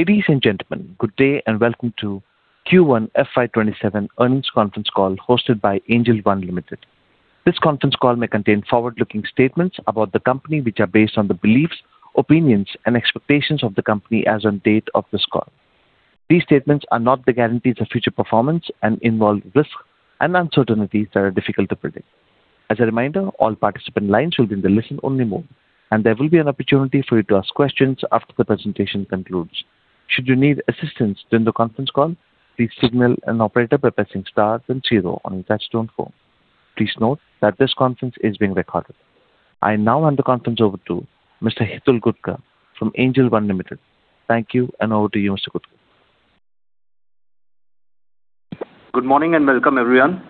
Ladies and gentlemen, good day, welcome to Q1 FY 2027 Earnings Conference call hosted by Angel One Limited. This conference call may contain forward-looking statements about the company which are based on the beliefs, opinions, and expectations of the company as on date of this call. These statements are not the guarantees of future performance and involve risks and uncertainties that are difficult to predict. As a reminder, all participant lines will be in the listen-only mode, there will be an opportunity for you to ask questions after the presentation concludes. Should you need assistance during the conference call, please signal an operator by pressing star then zero on your touch-tone phone. Please note that this conference is being recorded. I now hand the conference over to Mr. Hitul Gutka from Angel One Limited. Thank you, and over to you, Mr. Gutka. Good morning, welcome, everyone.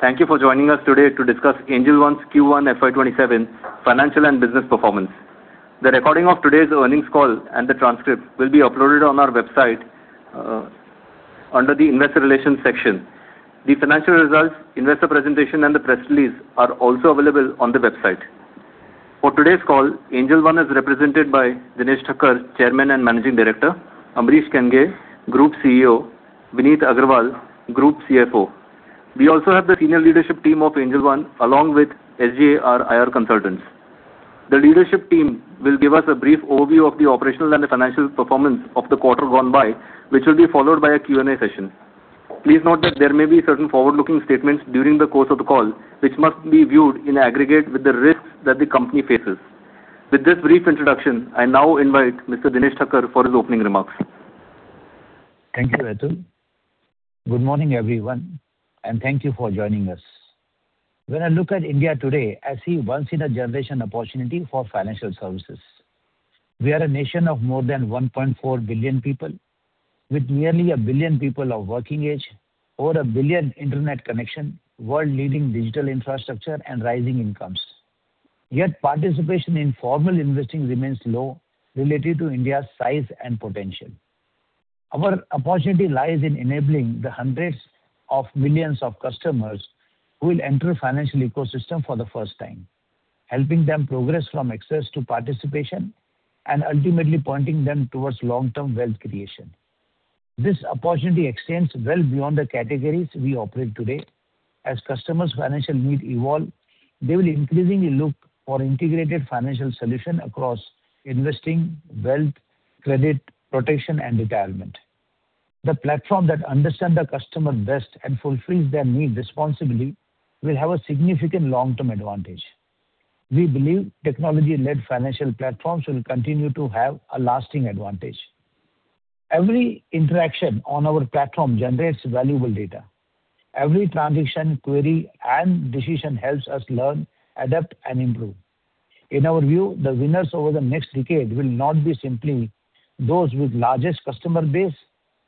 Thank you for joining us today to discuss Angel One's Q1 FY 2027 financial and business performance. The recording of today's earnings call and the transcript will be uploaded on our website under the Investor Relations section. The financial results, investor presentation, and the press release are also available on the website. For today's call, Angel One is represented by Dinesh Thakkar, Chairman and Managing Director, Ambarish Kenghe, Group CEO, Vineet Agrawal, Group CFO. We also have the senior leadership team of Angel One, along with SGA, our Investor Relations Consultants. The leadership team will give us a brief overview of the operational and financial performance of the quarter gone by, which will be followed by a Q&A session. Please note that there may be certain forward-looking statements during the course of the call, which must be viewed in aggregate with the risks that the company faces. With this brief introduction, I now invite Mr. Dinesh Thakkar for his opening remarks. Thank you, Hitul. Good morning, everyone, thank you for joining us. When I look at India today, I see once-in-a-generation opportunity for financial services. We are a nation of more than 1.4 billion people with nearly 1 billion people of working age, over 1 billion internet connection, world-leading digital infrastructure, and rising incomes. Yet participation in formal investing remains low related to India's size and potential. Our opportunity lies in enabling the hundreds of millions of customers who will enter financial ecosystem for the first time, helping them progress from access to participation, and ultimately pointing them towards long-term wealth creation. This opportunity extends well beyond the categories we operate today. As customers' financial need evolve, they will increasingly look for integrated financial solution across investing, wealth, credit, protection, and retirement. The platform that understands the customer best and fulfills their needs responsibly will have a significant long-term advantage. We believe technology-led financial platforms will continue to have a lasting advantage. Every interaction on our platform generates valuable data. Every transaction, query, and decision helps us learn, adapt, and improve. In our view, the winners over the next decade will not be simply those with largest customer base,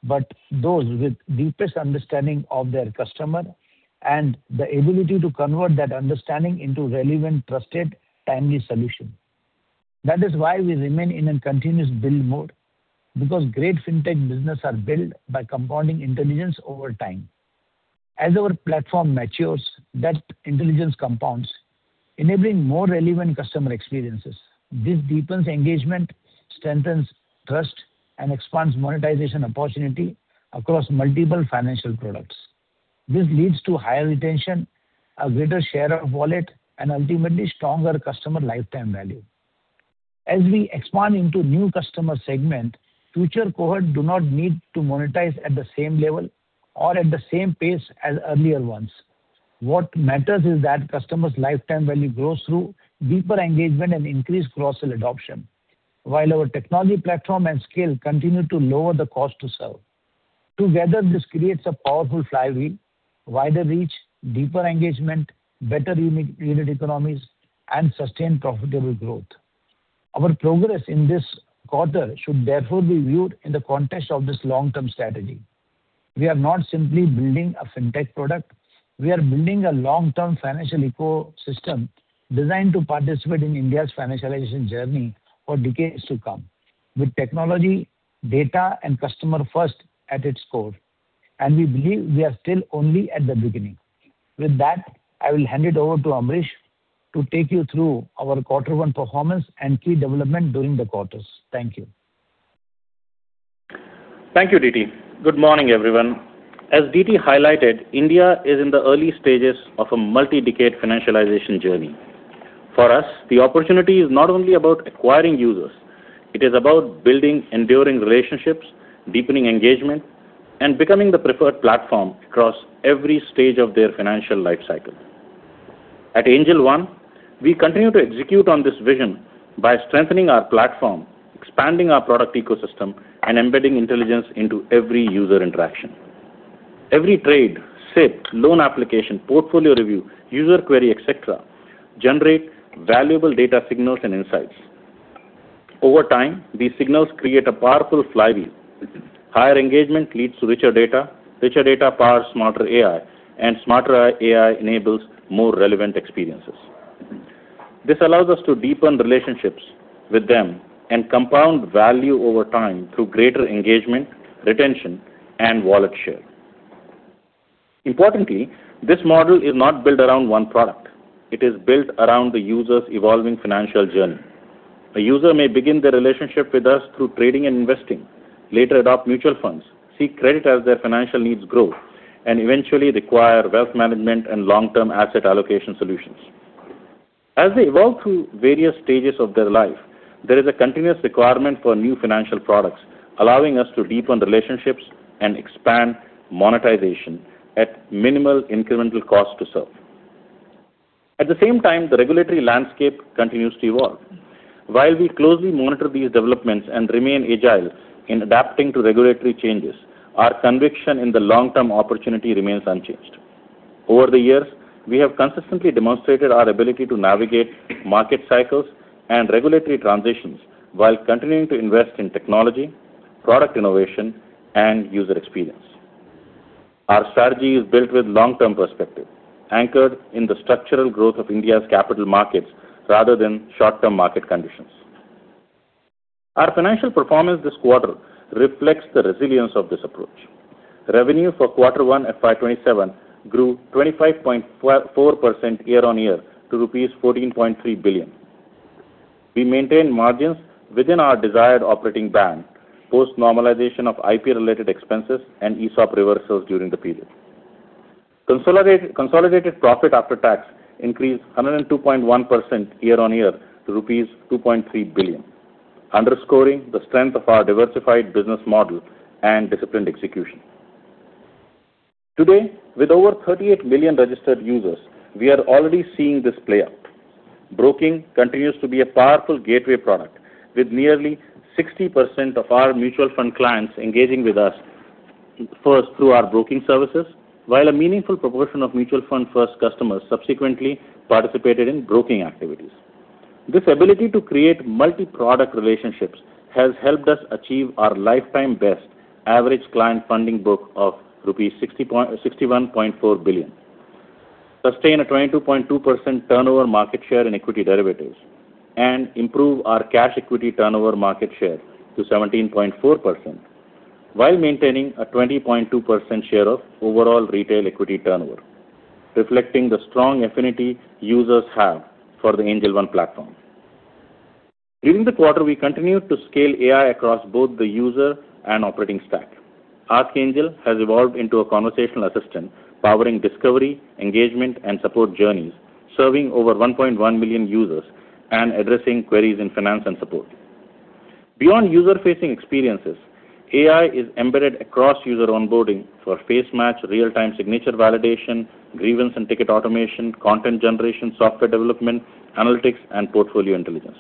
but those with deepest understanding of their customer and the ability to convert that understanding into relevant, trusted, timely solutions. That is why we remain in a continuous build mode, because great fintech businesses are built by compounding intelligence over time. As our platform matures, that intelligence compounds, enabling more relevant customer experiences. This deepens engagement, strengthens trust, and expands monetization opportunity across multiple financial products. This leads to higher retention, a greater share of wallet, and ultimately stronger customer lifetime value. As we expand into new customer segments, future cohorts do not need to monetize at the same level or at the same pace as earlier ones. What matters is that customers' lifetime value grows through deeper engagement and increased cross-sell adoption. While our technology platform and scale continue to lower the cost to serve. Together, this creates a powerful flywheel, wider reach, deeper engagement, better unit economies, and sustained profitable growth. Our progress in this quarter should therefore be viewed in the context of this long-term strategy. We are not simply building a fintech product. We are building a long-term financial ecosystem designed to participate in India's financialization journey for decades to come, with technology, data, and customer first at its core. We believe we are still only at the beginning. With that, I will hand it over to Ambarish to take you through our quarter one performance and key developments during the quarter. Thank you. Thank you, DT. Good morning, everyone. As DT highlighted, India is in the early stages of a multi-decade financialization journey. For us, the opportunity is not only about acquiring users. It is about building enduring relationships, deepening engagement, and becoming the preferred platform across every stage of their financial life cycle. At Angel One, we continue to execute on this vision by strengthening our platform, expanding our product ecosystem, and embedding intelligence into every user interaction. Every trade, SIP, loan application, portfolio review, user query, et cetera, generates valuable data signals and insights. Over time, these signals create a powerful flywheel. Higher engagement leads to richer data. Richer data powers smarter AI. Smarter AI enables more relevant experiences. This allows us to deepen relationships with them and compound value over time through greater engagement, retention, and wallet share. Importantly, this model is not built around one product. It is built around the user's evolving financial journey. A user may begin their relationship with us through trading and investing, later adopt mutual funds, seek credit as their financial needs grow, and eventually require wealth management and long-term asset allocation solutions. As they evolve through various stages of their life, there is a continuous requirement for new financial products, allowing us to deepen relationships and expand monetization at minimal incremental cost to serve. At the same time, the regulatory landscape continues to evolve. While we closely monitor these developments and remain agile in adapting to regulatory changes, our conviction in the long-term opportunity remains unchanged. Over the years, we have consistently demonstrated our ability to navigate market cycles and regulatory transitions while continuing to invest in technology, product innovation, and user experience. Our strategy is built with long-term perspective, anchored in the structural growth of India's capital markets rather than short-term market conditions. Our financial performance this quarter reflects the resilience of this approach. Revenue for quarter one at 527 grew 25.4% year-on-year to rupees 14.3 billion. We maintained margins within our desired operating band, post-normalization of IP-related expenses and ESOP reversals during the period. Consolidated profit after tax increased 102.1% year-on-year to rupees 2.3 billion, underscoring the strength of our diversified business model and disciplined execution. Today, with over 38 million registered users, we are already seeing this play out. Broking continues to be a powerful gateway product, with nearly 60% of our mutual fund clients engaging with us first through our broking services, while a meaningful proportion of mutual fund first customers subsequently participated in broking activities. This ability to create multi-product relationships has helped us achieve our lifetime best average client funding book of rupees 61.4 billion, sustain a 22.2% turnover market share in equity derivatives, and improve our cash equity turnover market share to 17.4%, while maintaining a 20.2% share of overall retail equity turnover, reflecting the strong affinity users have for the Angel One platform. During the quarter, we continued to scale AI across both the user and operating stack. Ask Angel has evolved into a conversational assistant powering discovery, engagement, and support journeys, serving over 1.1 million users and addressing queries in finance and support. Beyond user-facing experiences, AI is embedded across user onboarding for face match, real-time signature validation, grievance and ticket automation, content generation, software development, analytics, and portfolio intelligence.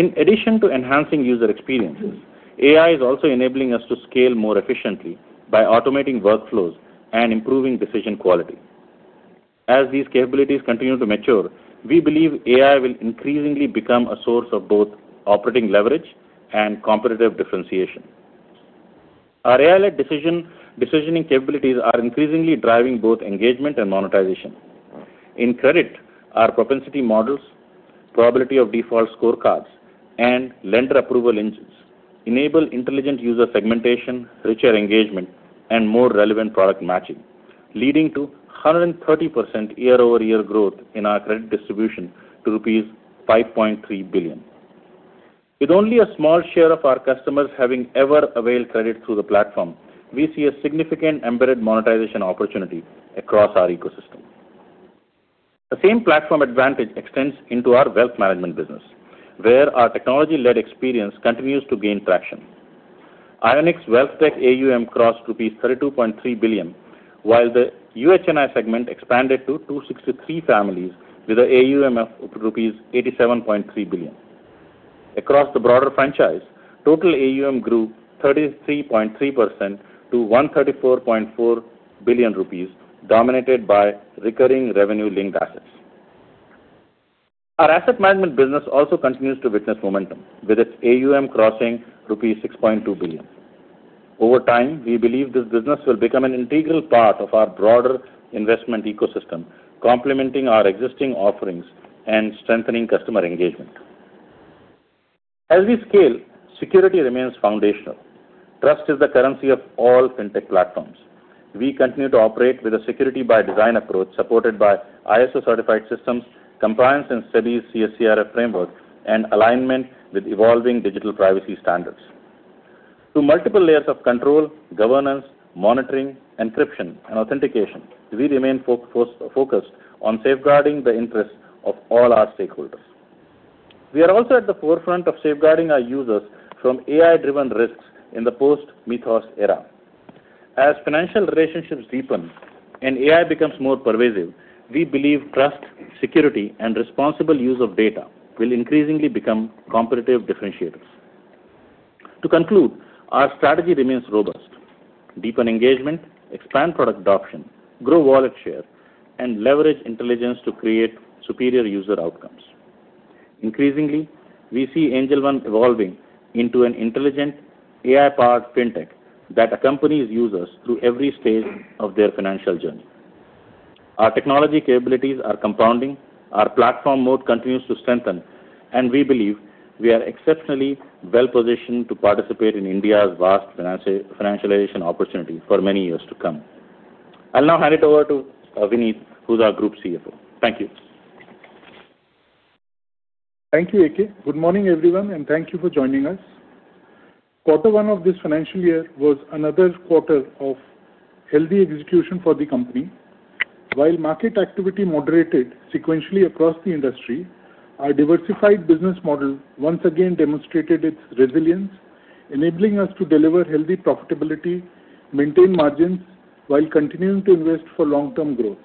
In addition to enhancing user experiences, AI is also enabling us to scale more efficiently by automating workflows and improving decision quality. As these capabilities continue to mature, we believe AI will increasingly become a source of both operating leverage and competitive differentiation. Our AI-led decisioning capabilities are increasingly driving both engagement and monetization. In credit, our propensity models, probability of default scorecards, and lender approval engines enable intelligent user segmentation, richer engagement, and more relevant product matching, leading to 130% year-over-year growth in our credit distribution to rupees 5.3 billion. With only a small share of our customers having ever availed credit through the platform, we see a significant embedded monetization opportunity across our ecosystem. The same platform advantage extends into our wealth management business, where our technology-led experience continues to gain traction. Ionic WealthTech AUM crossed rupees 32.3 billion, while the UHNI segment expanded to 263 families with an AUM of 87.3 billion rupees. Across the broader franchise, total AUM grew 33.3% to 134.4 billion rupees, dominated by recurring revenue-linked assets. Our asset management business also continues to witness momentum, with its AUM crossing rupees 6.2 billion. Over time, we believe this business will become an integral part of our broader investment ecosystem, complementing our existing offerings and strengthening customer engagement. As we scale, security remains foundational. Trust is the currency of all fintech platforms. We continue to operate with a security-by-design approach supported by ISO-certified systems, compliance and SEBI's CSCRF framework, and alignment with evolving digital privacy standards. Through multiple layers of control, governance, monitoring, encryption, and authentication, we remain focused on safeguarding the interests of all our stakeholders. We are also at the forefront of safeguarding our users from AI-driven risks in the post-Mythos era. As financial relationships deepen and AI becomes more pervasive, we believe trust, security, and responsible use of data will increasingly become competitive differentiators. Our strategy remains robust: deepen engagement, expand product adoption, grow wallet share, and leverage intelligence to create superior user outcomes. Increasingly, we see Angel One evolving into an intelligent, AI-powered fintech that accompanies users through every stage of their financial journey. Our technology capabilities are compounding, our platform mode continues to strengthen, and we believe we are exceptionally well-positioned to participate in India's vast financialization opportunity for many years to come. I'll now hand it over to Vineet, who's our Group Chief Financial Officer. Thank you. Thank you, AK. Good morning, everyone, and thank you for joining us. Quarter one of this financial year was another quarter of healthy execution for the company. Market activity moderated sequentially across the industry, our diversified business model once again demonstrated its resilience, enabling us to deliver healthy profitability, maintain margins, while continuing to invest for long-term growth.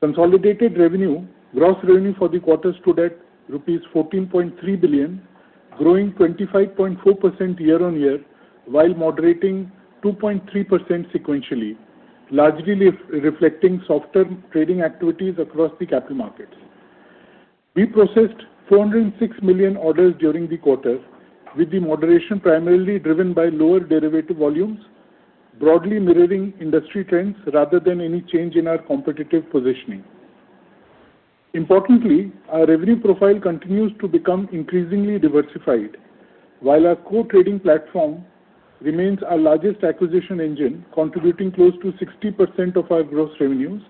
Consolidated revenue, gross revenue for the quarter stood at rupees 14.3 billion, growing 25.4% year-on-year while moderating 2.3% sequentially, largely reflecting softer trading activities across the capital markets. We processed 206 million orders during the quarter, with the moderation primarily driven by lower derivative volumes, broadly mirroring industry trends rather than any change in our competitive positioning. Importantly, our revenue profile continues to become increasingly diversified. Our core trading platform remains our largest acquisition engine, contributing close to 60% of our gross revenues,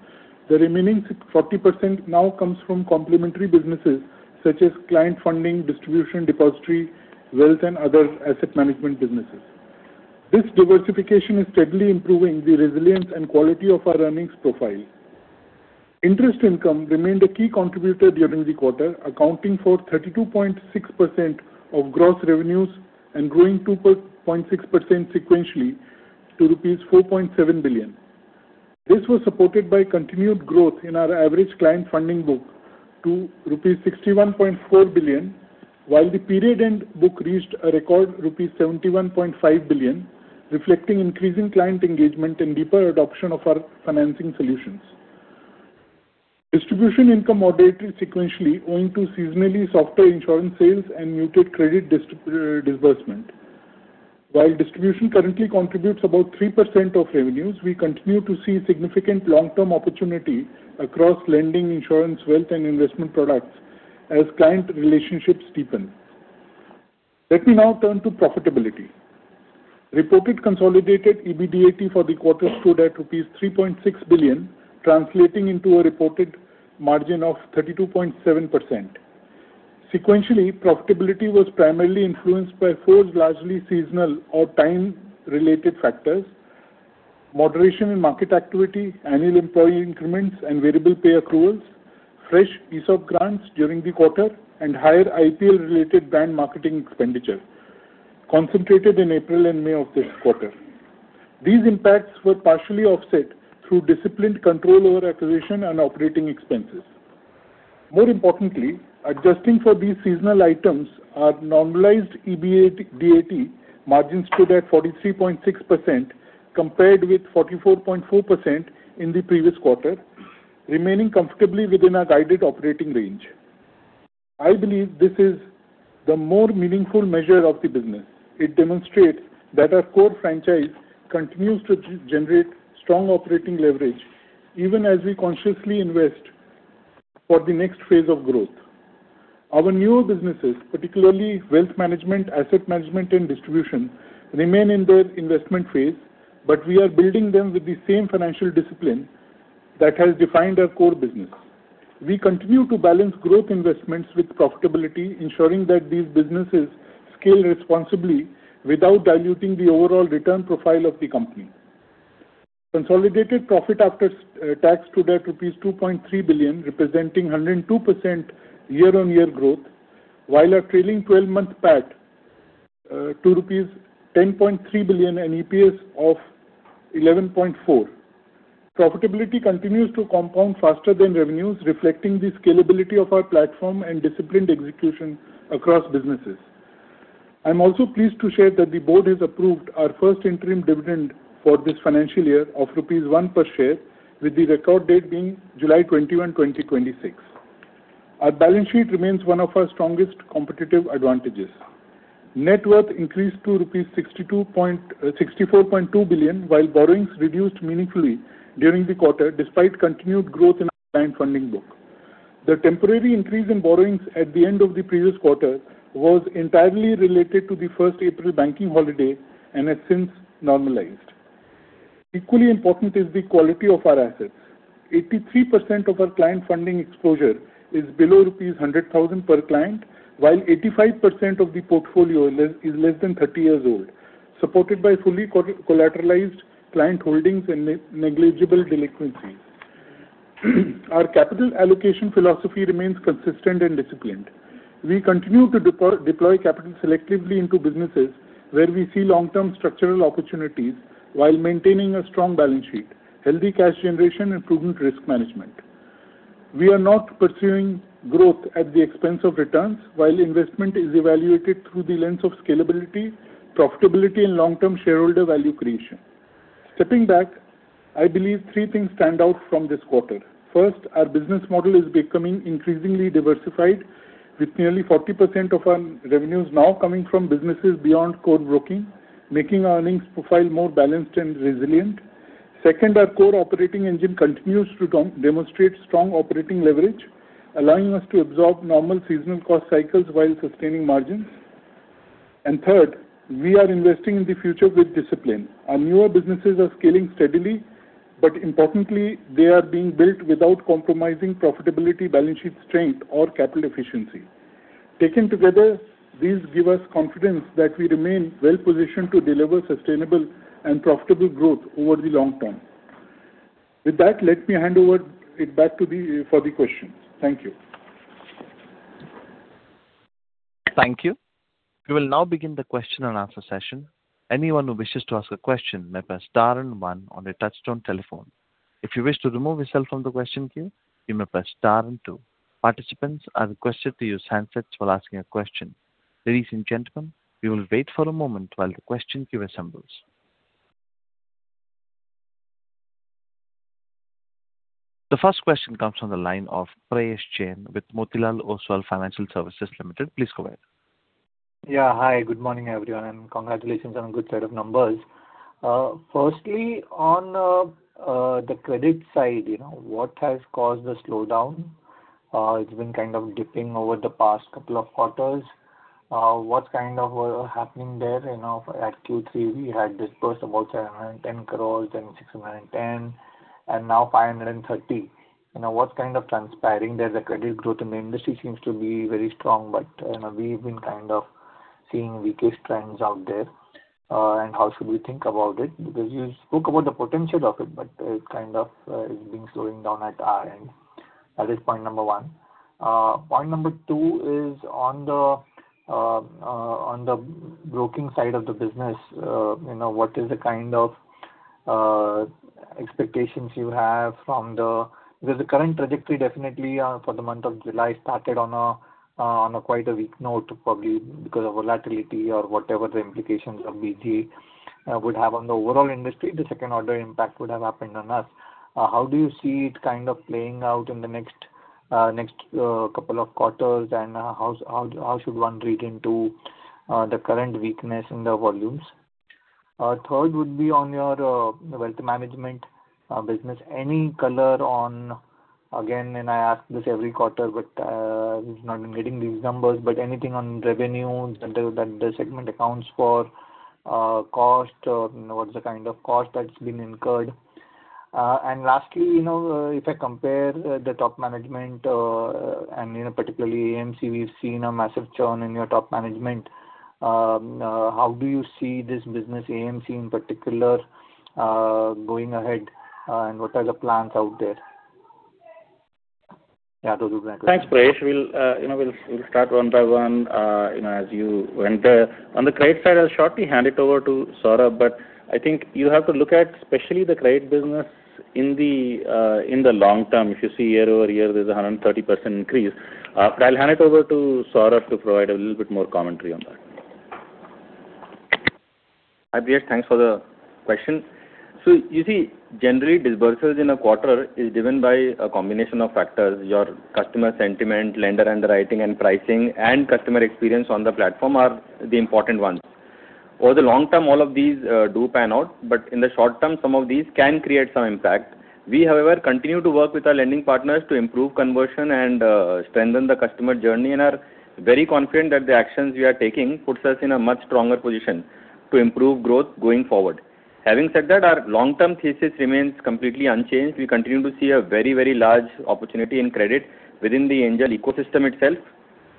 the remaining 40% now comes from complementary businesses such as client funding, distribution, depository, wealth, and other asset management businesses. This diversification is steadily improving the resilience and quality of our earnings profile. Interest income remained a key contributor during the quarter, accounting for 32.6% of gross revenues and growing 2.6% sequentially to rupees 4.7 billion. This was supported by continued growth in our average client funding book to rupees 61.4 billion, while the period-end book reached a record rupees 71.5 billion, reflecting increasing client engagement and deeper adoption of our financing solutions. Distribution income moderated sequentially owing to seasonally softer insurance sales and muted credit disbursement. While distribution currently contributes about 3% of revenues, we continue to see significant long-term opportunity across lending, insurance, wealth, and investment products as client relationships deepen. Let me now turn to profitability. Reported consolidated EBITDA for the quarter stood at rupees 3.6 billion, translating into a reported margin of 32.7%. Sequentially, profitability was primarily influenced by four largely seasonal or time-related factors, moderation in market activity, annual employee increments and variable pay accruals, fresh ESOP grants during the quarter, and higher IPL-related brand marketing expenditure concentrated in April and May of this quarter. These impacts were partially offset through disciplined control over acquisition and operating expenses. More importantly, adjusting for these seasonal items, our normalized EBITDA margin stood at 43.6% compared with 44.4% in the previous quarter, remaining comfortably within our guided operating range. I believe this is the more meaningful measure of the business. It demonstrates that our core franchise continues to generate strong operating leverage even as we consciously invest for the next phase of growth. Our newer businesses, particularly wealth management, asset management, and distribution, remain in their investment phase, but we are building them with the same financial discipline that has defined our core business. We continue to balance growth investments with profitability, ensuring that these businesses scale responsibly without diluting the overall return profile of the company. Consolidated profit after tax stood at rupees 2.3 billion, representing 102% year-on-year growth, while our trailing 12-month PAT to rupees 10.3 billion and EPS of 11.4. Profitability continues to compound faster than revenues, reflecting the scalability of our platform and disciplined execution across businesses. I'm also pleased to share that the board has approved our first interim dividend for this financial year of rupees 1 per share, with the record date being July 21, 2026. Our balance sheet remains one of our strongest competitive advantages. Net worth increased to rupees 64.2 billion while borrowings reduced meaningfully during the quarter, despite continued growth in our client funding book. The temporary increase in borrowings at the end of the previous quarter was entirely related to the First April banking holiday and has since normalized. Equally important is the quality of our assets. 83% of our client funding exposure is below rupees 100,000 per client, while 85% of the portfolio is less than 30 years old, supported by fully collateralized client holdings and negligible delinquencies. Our capital allocation philosophy remains consistent and disciplined. We continue to deploy capital selectively into businesses where we see long-term structural opportunities while maintaining a strong balance sheet, healthy cash generation, and prudent risk management. We are not pursuing growth at the expense of returns, while investment is evaluated through the lens of scalability, profitability, and long-term shareholder value creation. Stepping back, I believe three things stand out from this quarter. First, our business model is becoming increasingly diversified with nearly 40% of our revenues now coming from businesses beyond core broking, making our earnings profile more balanced and resilient. Second, our core operating engine continues to demonstrate strong operating leverage, allowing us to absorb normal seasonal cost cycles while sustaining margins. Third, we are investing in the future with discipline. Our newer businesses are scaling steadily, but importantly, they are being built without compromising profitability, balance sheet strength or capital efficiency. Taken together, these give us confidence that we remain well-positioned to deliver sustainable and profitable growth over the long term. With that, let me hand over it back for the questions. Thank you. Thank you. We will now begin the question-and-answer session. Anyone who wishes to ask a question may press star and one on their touch-tone telephone. If you wish to remove yourself from the question queue, you may press star and two. Participants are requested to use handsets while asking a question. Ladies and gentlemen, we will wait for a moment while the question queue assembles. The first question comes from the line of Prayesh Jain with Motilal Oswal Financial Services Limited. Please go ahead. Yeah. Hi, good morning, everyone, and congratulations on a good set of numbers. Firstly, on the credit side, what has caused the slowdown? It's been kind of dipping over the past couple of quarters. What's happening there? At Q3, we had disbursed about 710 crores, then 610, and now 530. What's transpiring there? The credit growth in the industry seems to be very strong, but we've been seeing weaker trends out there. How should we think about it? Because you spoke about the potential of it, but it kind of is being slowing down at our end. That is point number one. Point number two is on the broking side of the business. What is the kind of expectations you have from the current trajectory definitely for the month of July started on a quite a weak note, probably because of volatility or whatever the implications of BG would have on the overall industry, the second order impact would have happened on us. How do you see it playing out in the next couple of quarters and how should one read into the current weakness in the volumes? Third would be on your wealth management business. Any color on, again, and I ask this every quarter, but it's not been getting these numbers, but anything on revenue that the segment accounts for, cost, what's the kind of cost that's been incurred? Lastly, if I compare the top management and particularly AMC, we've seen a massive churn in your top management. How do you see this business, AMC in particular, going ahead, and what are the plans out there? Thanks, Prayesh. We'll start one by one. As you went, on the credit side, I'll shortly hand it over to Saurabh, I think you have to look at especially the credit business in the long term. If you see year-over-year, there's a 130% increase. I'll hand it over to Saurabh to provide a little bit more commentary on that. Hi, Prayesh. Thanks for the question. You see, generally, disbursements in a quarter is driven by a combination of factors. Your customer sentiment, lender underwriting and pricing, and customer experience on the platform are the important ones. Over the long term, all of these do pan out, but in the short term, some of these can create some impact. We, however, continue to work with our lending partners to improve conversion and strengthen the customer journey and are very confident that the actions we are taking puts us in a much stronger position to improve growth going forward. Having said that, our long-term thesis remains completely unchanged. We continue to see a very large opportunity in credit within the Angel ecosystem itself.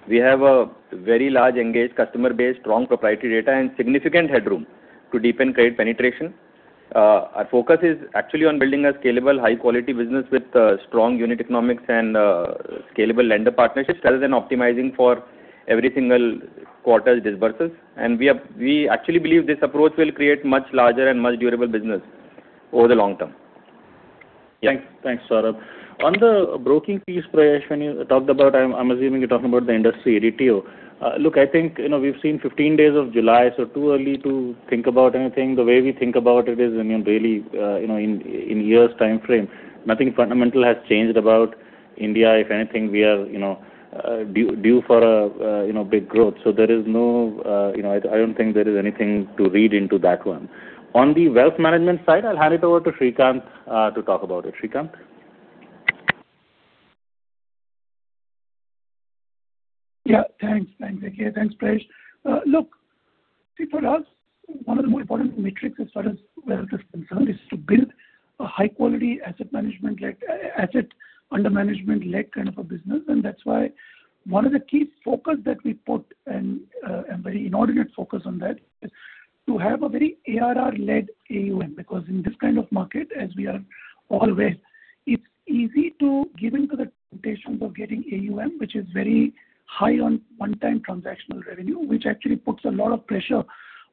We have a very large engaged customer base, strong proprietary data, and significant headroom to deepen credit penetration. Our focus is actually on building a scalable, high-quality business with strong unit economics and scalable lender partnerships rather than optimizing for every single quarter's disbursements. We actually believe this approach will create much larger and much durable business over the long term. Thanks, Saurabh. On the broking piece, Prayesh, when you talked about, I'm assuming you're talking about the industry ADTO. Look, I think, we've seen 15 days of July, too early to think about anything. The way we think about it is in years timeframe. Nothing fundamental has changed about India. If anything, we are due for a big growth. I don't think there is anything to read into that one. On the wealth management side, I'll hand it over to Srikanth to talk about it. Srikanth? Yeah. Thanks, AK, thanks, Prayesh. Look, see, for us, one of the more important metrics as far as wealth is concerned is to build a high-quality asset under management-led kind of a business, and that's why one of the key focus that we put and very inordinate focus on that is to have a very ARR-led AUM. Because in this kind of market, as we are always, it's easy to give in to the temptations of getting AUM, which is very high on one-time transactional revenue, which actually puts a lot of pressure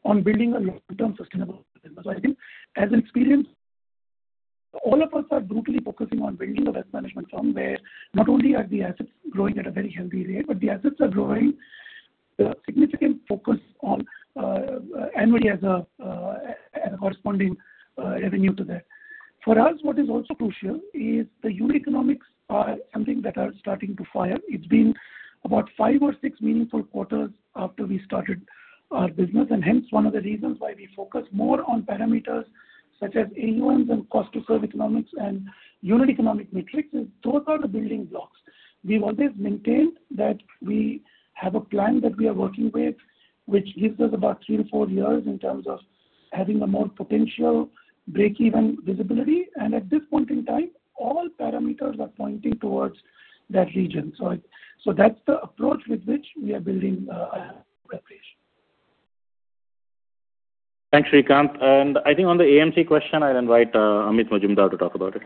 on building a long-term sustainable business. I think as experienced all of us are brutally focusing on building a wealth management firm where not only are the assets growing at a very healthy rate, but the assets are growing significant focus on annually as a corresponding revenue to that. For us, what is also crucial is the unit economics are something that are starting to fire. It's been about five or six meaningful quarters after we started our business, and hence one of the reasons why we focus more on parameters such as AUMs and cost to serve economics and unit economic metrics is those are the building blocks. We've always maintained that we have a plan that we are working with, which gives us about three to four years in terms of having a more potential breakeven visibility, and at this point in time, all parameters are pointing towards that region. That's the approach with which we are building our preparation. Thanks, Srikanth. I think on the AMC question, I will invite Amit Majumdar to talk about it.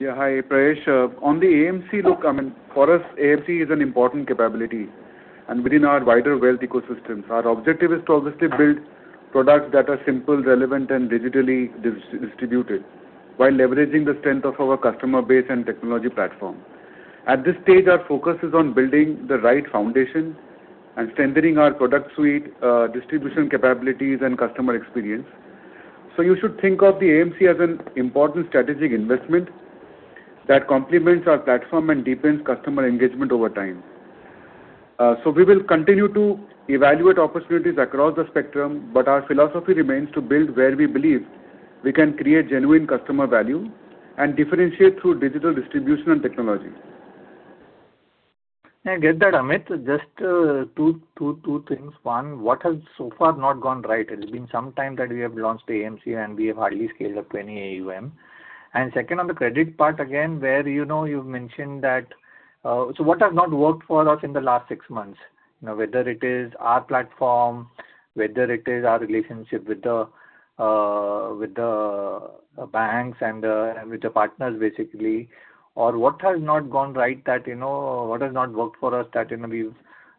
Yeah. Hi, Prayesh. On the AMC look, I mean, for us, AMC is an important capability within our wider wealth ecosystems. Our objective is to obviously build products that are simple, relevant and digitally distributed while leveraging the strength of our customer base and technology platform. At this stage, our focus is on building the right foundation and strengthening our product suite, distribution capabilities, and customer experience. You should think of the AMC as an important strategic investment that complements our platform and deepens customer engagement over time. We will continue to evaluate opportunities across the spectrum, but our philosophy remains to build where we believe we can create genuine customer value and differentiate through digital distribution and technology. I get that, Amit. Just two things. One, what has so far not gone right? It has been some time that we have launched AMC and we have hardly scaled up any AUM. Second, on the credit part again, where you have mentioned that what has not worked for us in the last six months? Whether it is our platform, whether it is our relationship with the banks and with the partners, basically. Or what has not gone right that what has not worked for us that we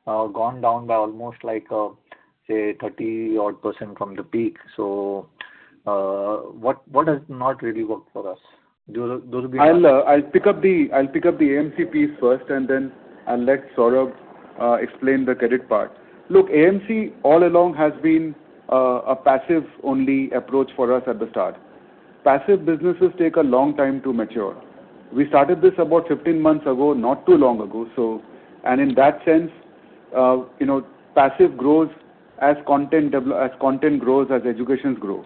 have gone down by almost, say, 30% from the peak. What has not really worked for us? Those would be my. I will pick up the AMC piece first, and then I will let Saurabh explain the credit part. Look, AMC all along has been a passive-only approach for us at the start. Passive businesses take a long time to mature. We started this about 15 months ago, not too long ago, so in that sense passive grows as content grows, as educations grow.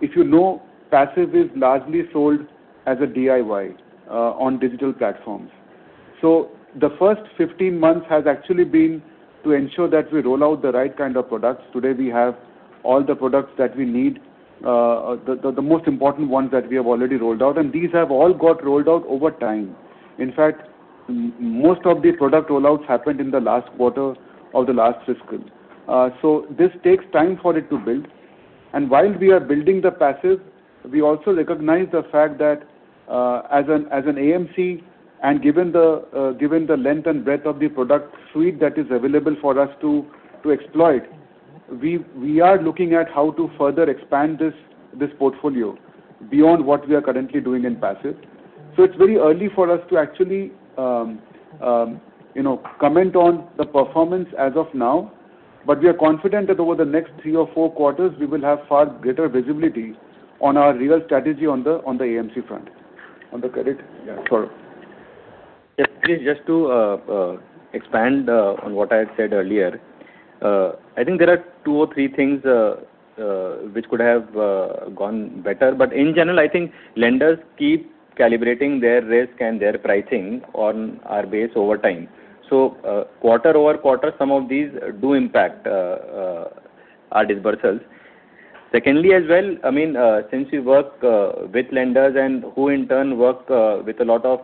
If you know, passive is largely sold as a DIY on digital platforms. The first 15 months has actually been to ensure that we roll out the right kind of products. Today, we have all the products that we need, the most important ones that we have already rolled out, and these have all got rolled out over time. In fact, most of the product rollouts happened in the last quarter of the last fiscal. This takes time for it to build. While we are building the passive, we also recognize the fact that as an AMC and given the length and breadth of the product suite that is available for us to exploit, we are looking at how to further expand this portfolio beyond what we are currently doing in passive. It's very early for us to actually comment on the performance as of now. We are confident that over the next three or four quarters, we will have far greater visibility on our real strategy on the AMC front. On the credit? Yeah, Saurabh. Yes, please. Just to expand on what I said earlier. I think there are two or three things which could have gone better. In general, I think lenders keep calibrating their risk and their pricing on our base over time. quarter-over-quarter, some of these do impact our disbursements. Secondly as well, since we work with lenders and who in turn work with a lot of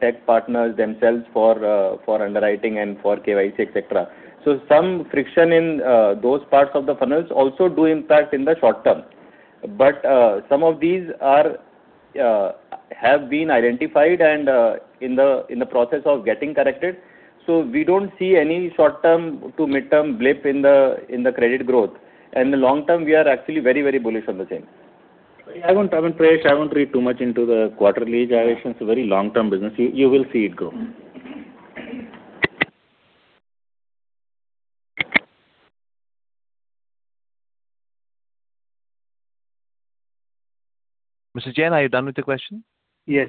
tech partners themselves for underwriting and for KYC, et cetera. Some friction in those parts of the funnels also do impact in the short term. Some of these have been identified and in the process of getting corrected. We don't see any short term to midterm blip in the credit growth. In the long term, we are actually very bullish on the same. Prayesh, I won't read too much into the quarterly. I think it's a very long-term business. You will see it grow. Mr. Jain, are you done with your question? Yes.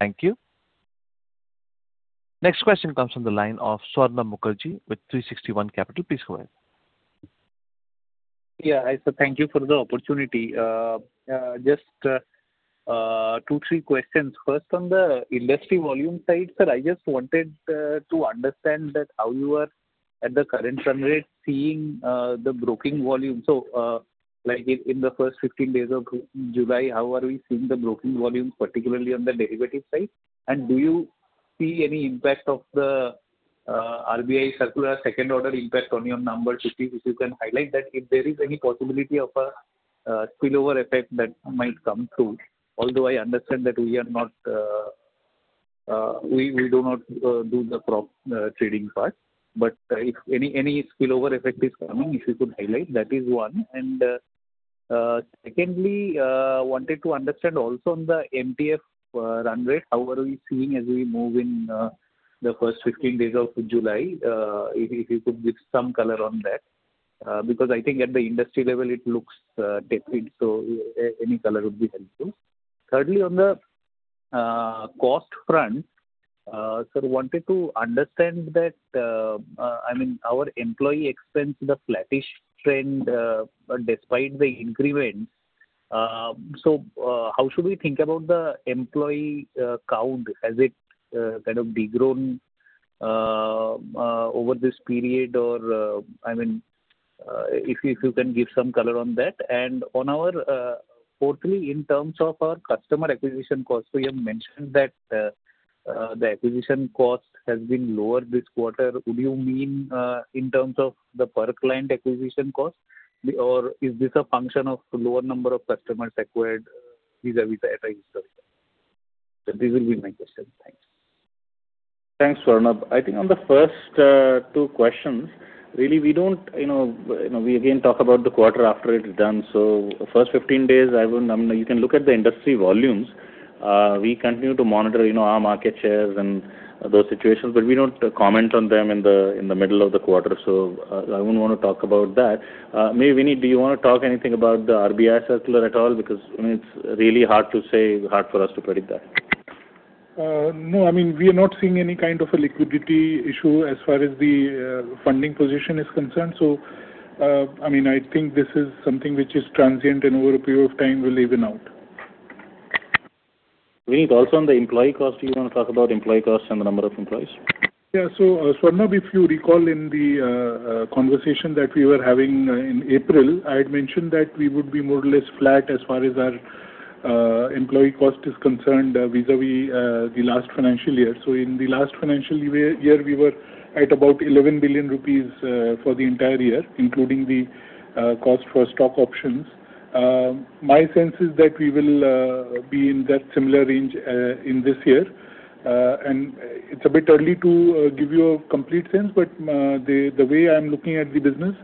Thank you. Next question comes from the line of Swarnabha Mukherjee with 360 ONE Capital Market. Please go ahead. Yeah. Hi, Sir. Thank you for the opportunity. Just two, three questions. First, on the industry volume side, sir, I just wanted to understand that how you are at the current run rate seeing the broking volume. Like in the first 15 days of July, how are we seeing the broking volume, particularly on the derivative side? Do you see any impact of the RBI circular second order impact on your numbers, if you can highlight that? If there is any possibility of a spillover effect that might come through. Although I understand that we do not do the prop trading part. If any spillover effect is coming, if you could highlight, that is one. Secondly, wanted to understand also on the MTF run rate, how are we seeing as we move in the first 15 days of July? If you could give some color on that because I think at the industry level it looks different, any color would be helpful. Thirdly, on the cost front, sir, wanted to understand that our employee expense, the flattish trend despite the increments How should we think about the employee count? Has it kind of de-grown over this period or if you can give some color on that. On our fourthly, in terms of our customer acquisition costs, you have mentioned that the acquisition cost has been lower this quarter. Would you mean in terms of the per client acquisition cost or is this a function of lower number of customers acquired vis-a-vis at a historical? These will be my questions. Thanks. Thanks, Swarnabha. I think on the first two questions, really We again talk about the quarter after it is done. The first 15 days, you can look at the industry volumes. We continue to monitor our market shares and those situations, we don't comment on them in the middle of the quarter. I wouldn't want to talk about that. Maybe, Vineet, do you want to talk anything about the RBI circular at all? It's really hard to say, hard for us to predict that. We are not seeing any kind of a liquidity issue as far as the funding position is concerned. I think this is something which is transient and over a period of time will even out. Vineet, on the employee cost, do you want to talk about employee cost and the number of employees? Swarnabha, if you recall in the conversation that we were having in April, I had mentioned that we would be more or less flat as far as our employee cost is concerned vis-a-vis the last financial year. In the last financial year, we were at about 11 billion rupees for the entire year, including the cost for stock options. My sense is that we will be in that similar range in this year. It's a bit early to give you a complete sense, but the way I'm looking at the business,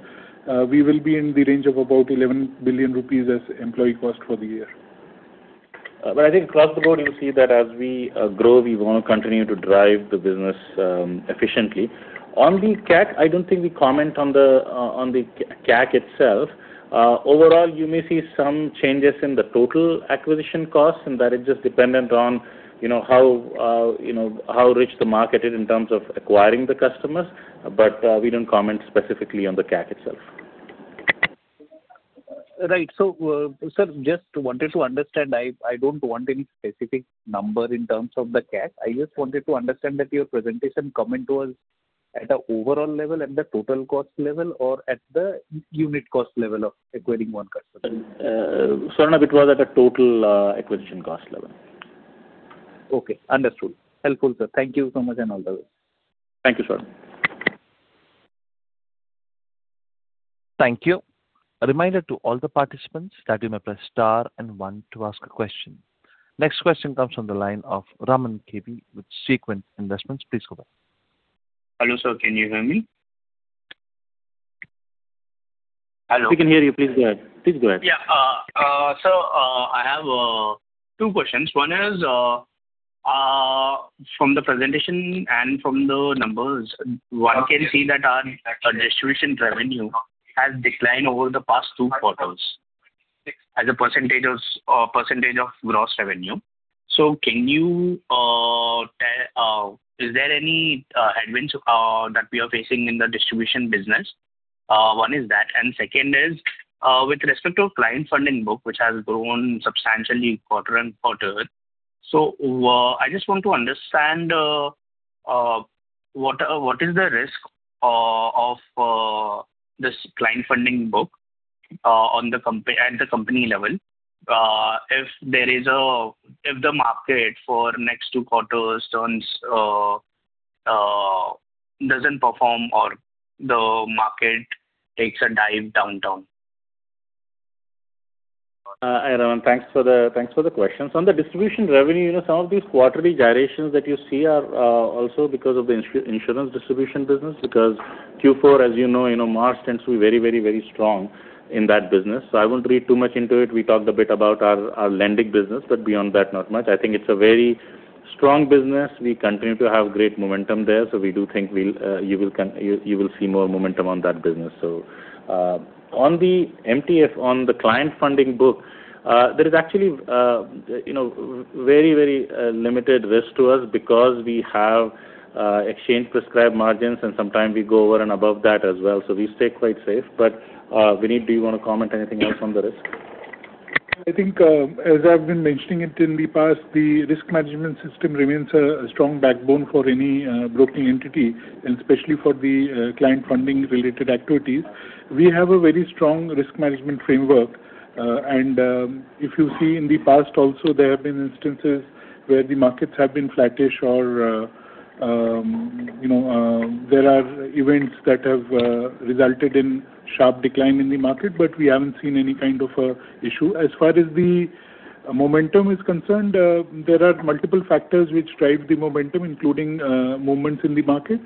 we will be in the range of about 11 billion rupees as employee cost for the year. I think across the board, you'll see that as we grow, we want to continue to drive the business efficiently. On the CAC, I don't think we comment on the CAC itself. Overall, you may see some changes in the total acquisition costs, that is just dependent on how rich the market is in terms of acquiring the customers. We don't comment specifically on the CAC itself. Right. Sir, just wanted to understand, I don't want any specific number in terms of the CAC. I just wanted to understand that your presentation comment was at an overall level, at the total cost level or at the unit cost level of acquiring one customer. Swarnabha, it was at a total acquisition cost level. Okay. Understood. Helpful, sir. Thank you so much and all the best. Thank you, Swarnabha. Thank you. A reminder to all the participants that you may press star and one to ask a question. Next question comes from the line of Raman K. V. with Sequent Investments. Please go ahead. Hello, Sir. Can you hear me? Hello. We can hear you. Please go ahead. Yeah. I have two questions. One is from the presentation and from the numbers, one can see that our distribution revenue has declined over the past two quarters as a percentage of gross revenue. Is there any headwinds that we are facing in the distribution business? One is that, and second is with respect to client funding book, which has grown substantially quarter on quarter. I just want to understand what is the risk of this client funding book at the company level if the market for next two quarters doesn't perform or the market takes a dive downtown? Hi, Raman. Thanks for the questions. On the distribution revenue, some of these quarterly gyrations that you see are also because of the insurance distribution business because Q4, as you know, March tends to be very strong in that business. I wouldn't read too much into it. We talked a bit about our lending business, but beyond that, not much. I think it's a very strong business. We continue to have great momentum there. We do think you will see more momentum on that business. On the MTF, on the client funding book, there is actually very limited risk to us because we have exchange prescribed margins and sometimes we go over and above that as well. We stay quite safe. Vineet, do you want to comment anything else on the risk? I think as I've been mentioning it in the past, the risk management system remains a strong backbone for any broking entity, and especially for the client funding-related activities. We have a very strong risk management framework. If you see in the past also, there have been instances where the markets have been flattish or there are events that have resulted in sharp decline in the market, but we haven't seen any kind of a issue. As far as the momentum is concerned, there are multiple factors which drive the momentum, including movements in the market.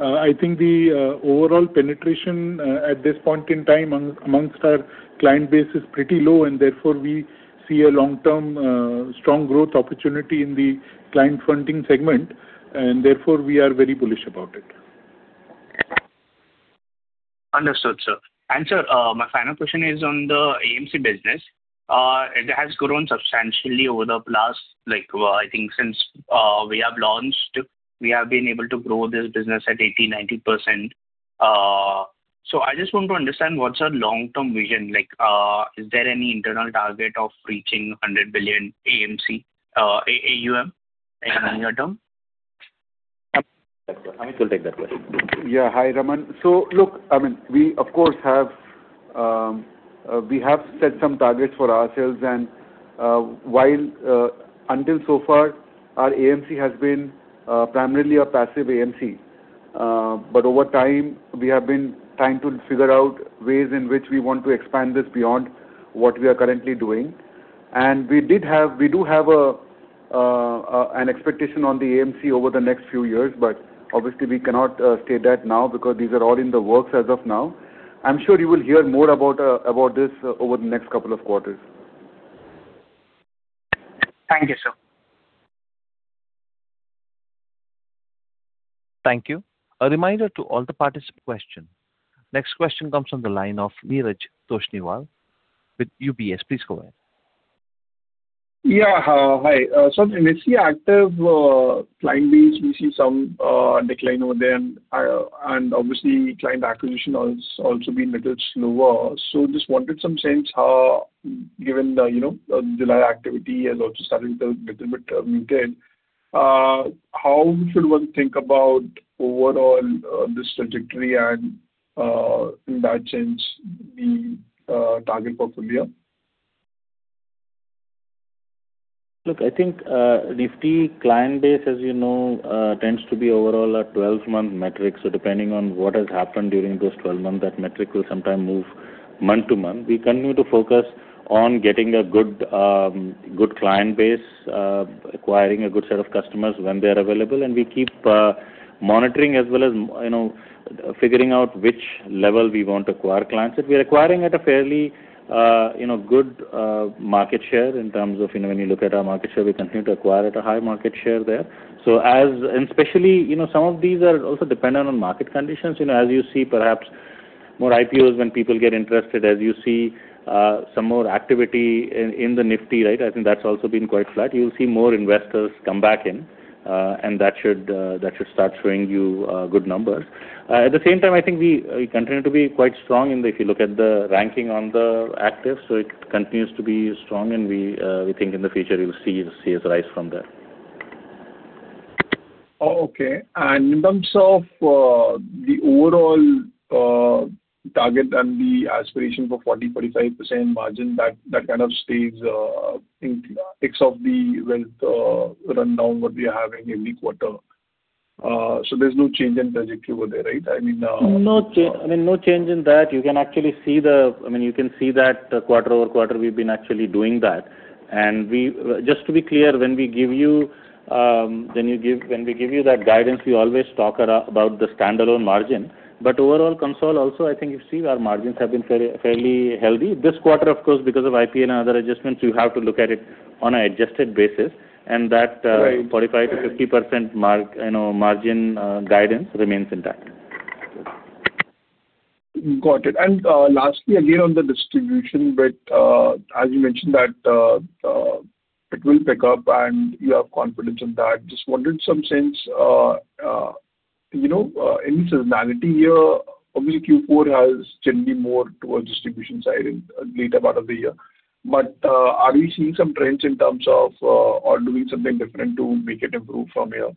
I think the overall penetration at this point in time amongst our client base is pretty low, and therefore we see a long-term strong growth opportunity in the client funding segment, and therefore we are very bullish about it. Understood, Sir, my final question is on the AMC business. It has grown substantially over the past, I think since we have launched, we have been able to grow this business at 80%, 90%. I just want to understand what's our long-term vision like? Is there any internal target of reaching 100 billion AUM in the longer term? Amit will take that question. Yeah. Hi, Raman. Look, we of course have set some targets for ourselves, until so far our AMC has been primarily a passive AMC. Over time, we have been trying to figure out ways in which we want to expand this beyond what we are currently doing. We do have an expectation on the AMC over the next few years, but obviously we cannot state that now because these are all in the works as of now. I'm sure you will hear more about this over the next couple of quarters. Thank you, Sir. Thank you. A reminder to all the participants. Next question comes from the line of Neeraj Toshniwal with UBS. Please go ahead. Yeah. Hi. In the active client base, we see some decline over there, obviously client acquisition has also been a little slower. Just wanted some sense how, given the July activity has also started to get a bit muted, how should one think about overall this trajectory and, in that sense, the target for full year? Look, I think active client base, as you know, tends to be overall a 12-month metric. Depending on what has happened during those 12 months, that metric will sometimes move month to month. We continue to focus on getting a good client base, acquiring a good set of customers when they're available, and we keep monitoring as well as figuring out which level we want to acquire clients at. We're acquiring at a fairly good market share in terms of when you look at our market share, we continue to acquire at a high market share there. Some of these are also dependent on market conditions. As you see perhaps more IPOs when people get interested, as you see some more activity in the active, I think that's also been quite flat. You'll see more investors come back in, and that should start showing you good numbers. At the same time, I think we continue to be quite strong in that if you look at the ranking on the active, it continues to be strong and we think in the future you'll see us rise from there. Okay. In terms of the overall target and the aspiration for 40%, 45% margin, that kind of stays, I think, X of the wealth rundown what we are having every quarter. There's no change in trajectory over there, right? No change in that. You can see that quarter-over-quarter we've been actually doing that. Just to be clear, when we give you that guidance, we always talk about the standalone margin. Overall console also, I think you see our margins have been fairly healthy. This quarter, of course, because of IP and other adjustments, you have to look at it on an adjusted basis. Right 45%-50% margin guidance remains intact. Got it. Lastly, again, on the distribution bit, as you mentioned that it will pick up and you have confidence in that, just wanted some sense. Any seasonality here? Obviously, Q4 has generally more towards distribution side in the later part of the year. Are we seeing some trends in terms of or doing something different to make it improve from here?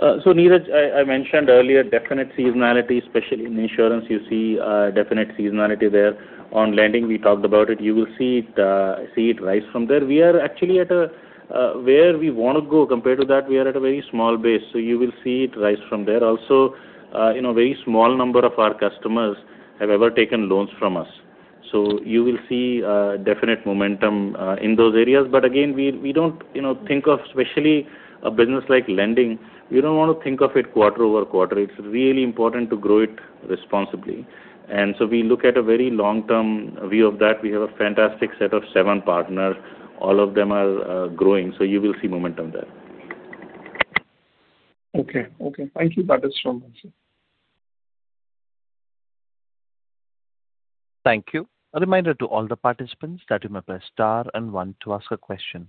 Neeraj, I mentioned earlier, definite seasonality, especially in insurance, you see a definite seasonality there. On lending, we talked about it. You will see it rise from there. Where we want to go, compared to that, we are at a very small base. You will see it rise from there. Also a very small number of our customers have ever taken loans from us. You will see definite momentum in those areas. Again, especially a business like lending, we don't want to think of it quarter-over-quarter. It's really important to grow it responsibly. We look at a very long-term view of that. We have a fantastic set of seven partners. All of them are growing. You will see momentum there. Okay. Thank you. That is from myself. Thank you. A reminder to all the participants that you may press star and one to ask a question.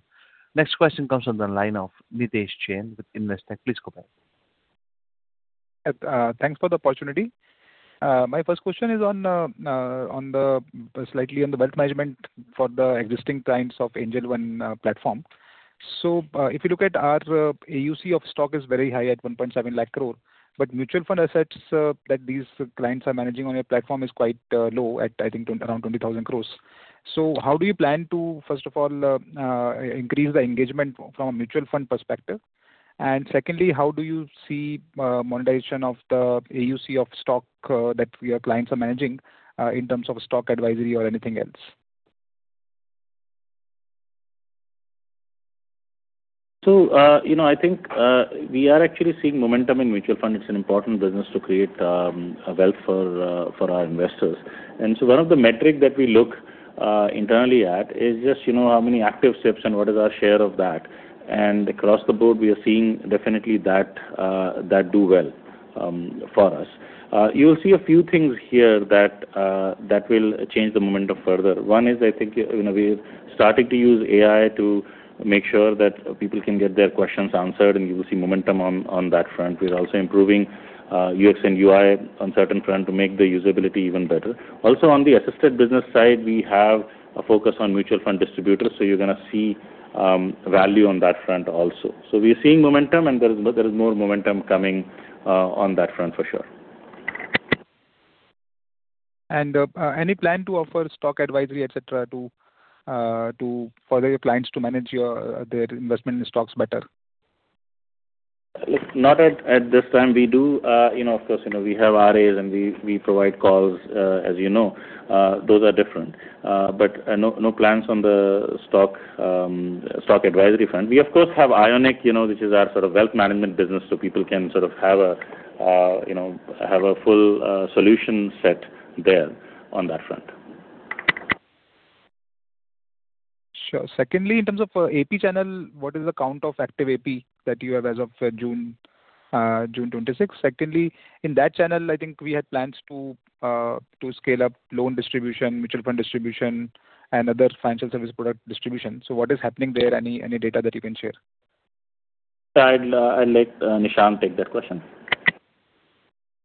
Next question comes from the line of Nidhesh Jain with Investec. Please go ahead. Thanks for the opportunity. My first question is slightly on the wealth management for the existing clients of Angel One platform. If you look at our AUC of stock is very high at 1.7 lakh crore, but mutual fund assets that these clients are managing on your platform is quite low at, I think, around 20,000 crores. How do you plan to, first of all, increase the engagement from a mutual fund perspective? Secondly, how do you see monetization of the AUC of stock that your clients are managing in terms of stock advisory or anything else? I think we are actually seeing momentum in mutual funds. It's an important business to create wealth for our investors. One of the metric that we look internally at is just how many active SIPs and what is our share of that. Across the board, we are seeing definitely that do well. For us, you'll see a few things here that will change the momentum further. One is, I think we're starting to use AI to make sure that people can get their questions answered, and you will see momentum on that front. We're also improving UX and UI on certain front to make the usability even better. Also on the assisted business side, we have a focus on mutual fund distributors, so you're going to see value on that front also. We are seeing momentum and there is more momentum coming on that front for sure. Any plan to offer stock advisory, et cetera, for your clients to manage their investment in stocks better? Look, not at this time. We do, of course, we have RAs and we provide calls, as you know. Those are different. No plans on the stock advisory front. We, of course, have Ionic, which is our sort of wealth management business, so people can sort of have a full solution set there on that front. Sure. Secondly, in terms of AP channel, what is the count of active AP that you have as of June 26? Secondly, in that channel, I think we had plans to scale up loan distribution, mutual fund distribution, and other financial service product distribution. What is happening there? Any data that you can share? I'll let Nishant take that question.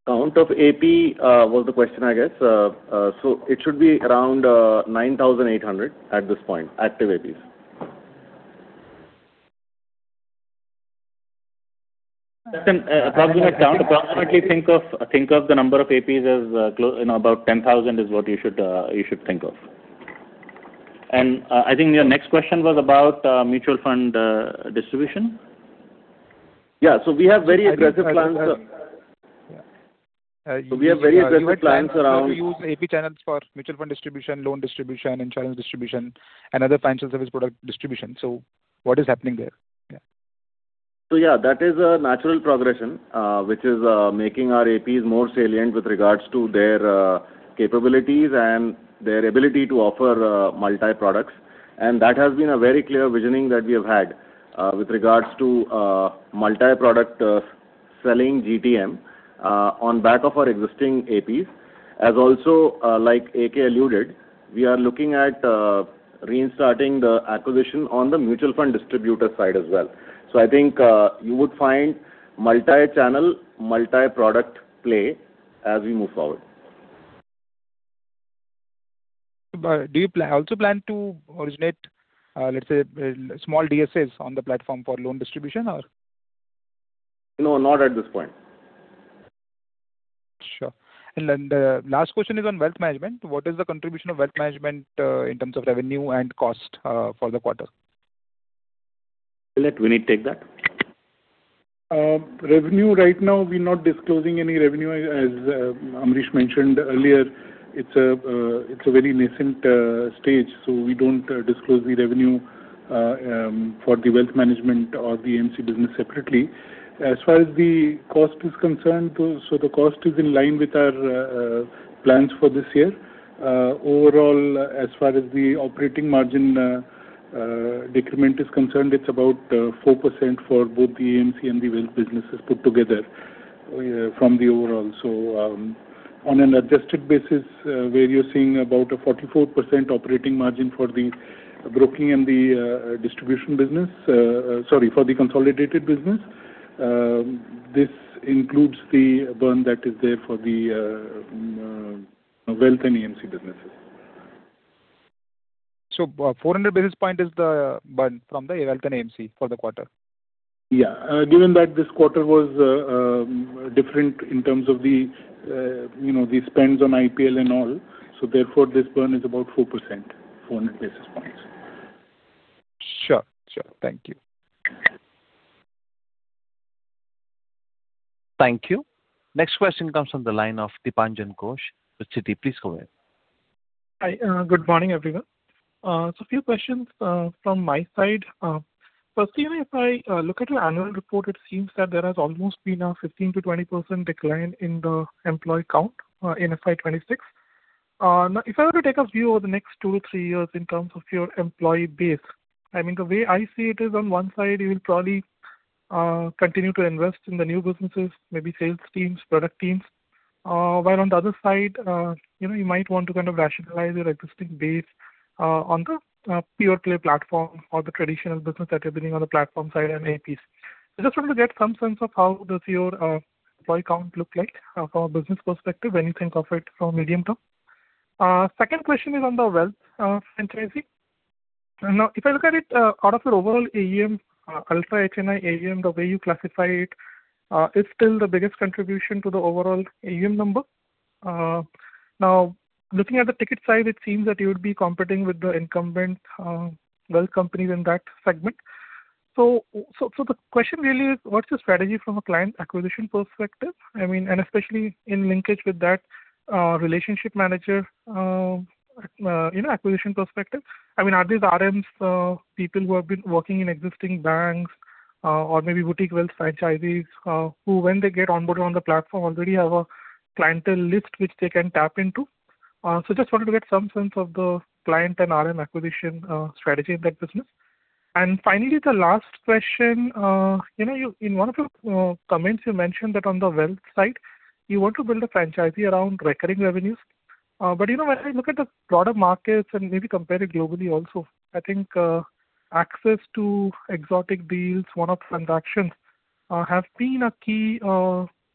Count of AP was the question, I guess. It should be around 9,800 at this point, active APs. That's an approximate count. Approximately think of the number of APs as about 10,000 is what you should think of. I think your next question was about mutual fund distribution. Yeah. We have very aggressive plans. You had plans to use AP channels for mutual fund distribution, loan distribution, insurance distribution, and other financial service product distribution. What is happening there? Yeah, that is a natural progression, which is making our APs more salient with regards to their capabilities and their ability to offer multi-products. That has been a very clear visioning that we have had with regards to multi-product selling GTM on back of our existing APs. As also, like AK alluded, we are looking at restarting the acquisition on the mutual fund distributor side as well. I think you would find multi-channel, multi-product play as we move forward. Do you also plan to originate, let's say, small DSAs on the platform for loan distribution or? No, not at this point. Sure. The last question is on wealth management. What is the contribution of wealth management in terms of revenue and cost for the quarter? Vineet, take that. Revenue right now, we're not disclosing any revenue, as Ambarish mentioned earlier. It's a very nascent stage, we don't disclose the revenue for the wealth management or the AMC business separately. As far as the cost is concerned, the cost is in line with our plans for this year. Overall, as far as the operating margin decrement is concerned, it's about 4% for both the AMC and the wealth businesses put together from the overall. On an adjusted basis, where you're seeing about a 44% operating margin for the broking and the distribution business, sorry, for the consolidated business, this includes the burn that is there for the wealth and AMC businesses. 400 basis point is the burn from the wealth and AMC for the quarter? Yeah. Given that this quarter was different in terms of the spends on IPL and all, so therefore this burn is about 4%, 400 basis points. Sure. Thank you. Thank you. Next question comes from the line of Dipanjan Ghosh with Citi. Please go ahead. Hi. Good morning, everyone. Few questions from my side. First, if I look at your annual report, it seems that there has almost been a 15%-20% decline in the employee count in FY 2026. If I were to take a view over the next two or three years in terms of your employee base, I mean, the way I see it is on one side, you will probably continue to invest in the new businesses, maybe sales teams, product teams, while on the other side, you might want to kind of rationalize your existing base on the pure-play platform or the traditional business that you're building on the platform side and APs. I just wanted to get some sense of how does your employee count look like from a business perspective when you think of it from medium term. Second question is on the wealth franchising. If I look at it out of your overall AUM, Ultra HNI AUM, the way you classify it, is still the biggest contribution to the overall AUM number. Looking at the ticket size, it seems that you would be competing with the incumbent wealth companies in that segment. The question really is, what's your strategy from a client acquisition perspective? I mean, and especially in linkage with that relationship manager in acquisition perspective. I mean, are these RMs people who have been working in existing banks or maybe boutique wealth franchisees who when they get onboard on the platform already have a clientele list which they can tap into? Just wanted to get some sense of the client and RM acquisition strategy in that business. Finally, the last question. In one of your comments, you mentioned that on the wealth side, you want to build a franchise around recurring revenues. When I look at the broader markets and maybe compare it globally also, I think access to exotic deals, one-off transactions, have been a key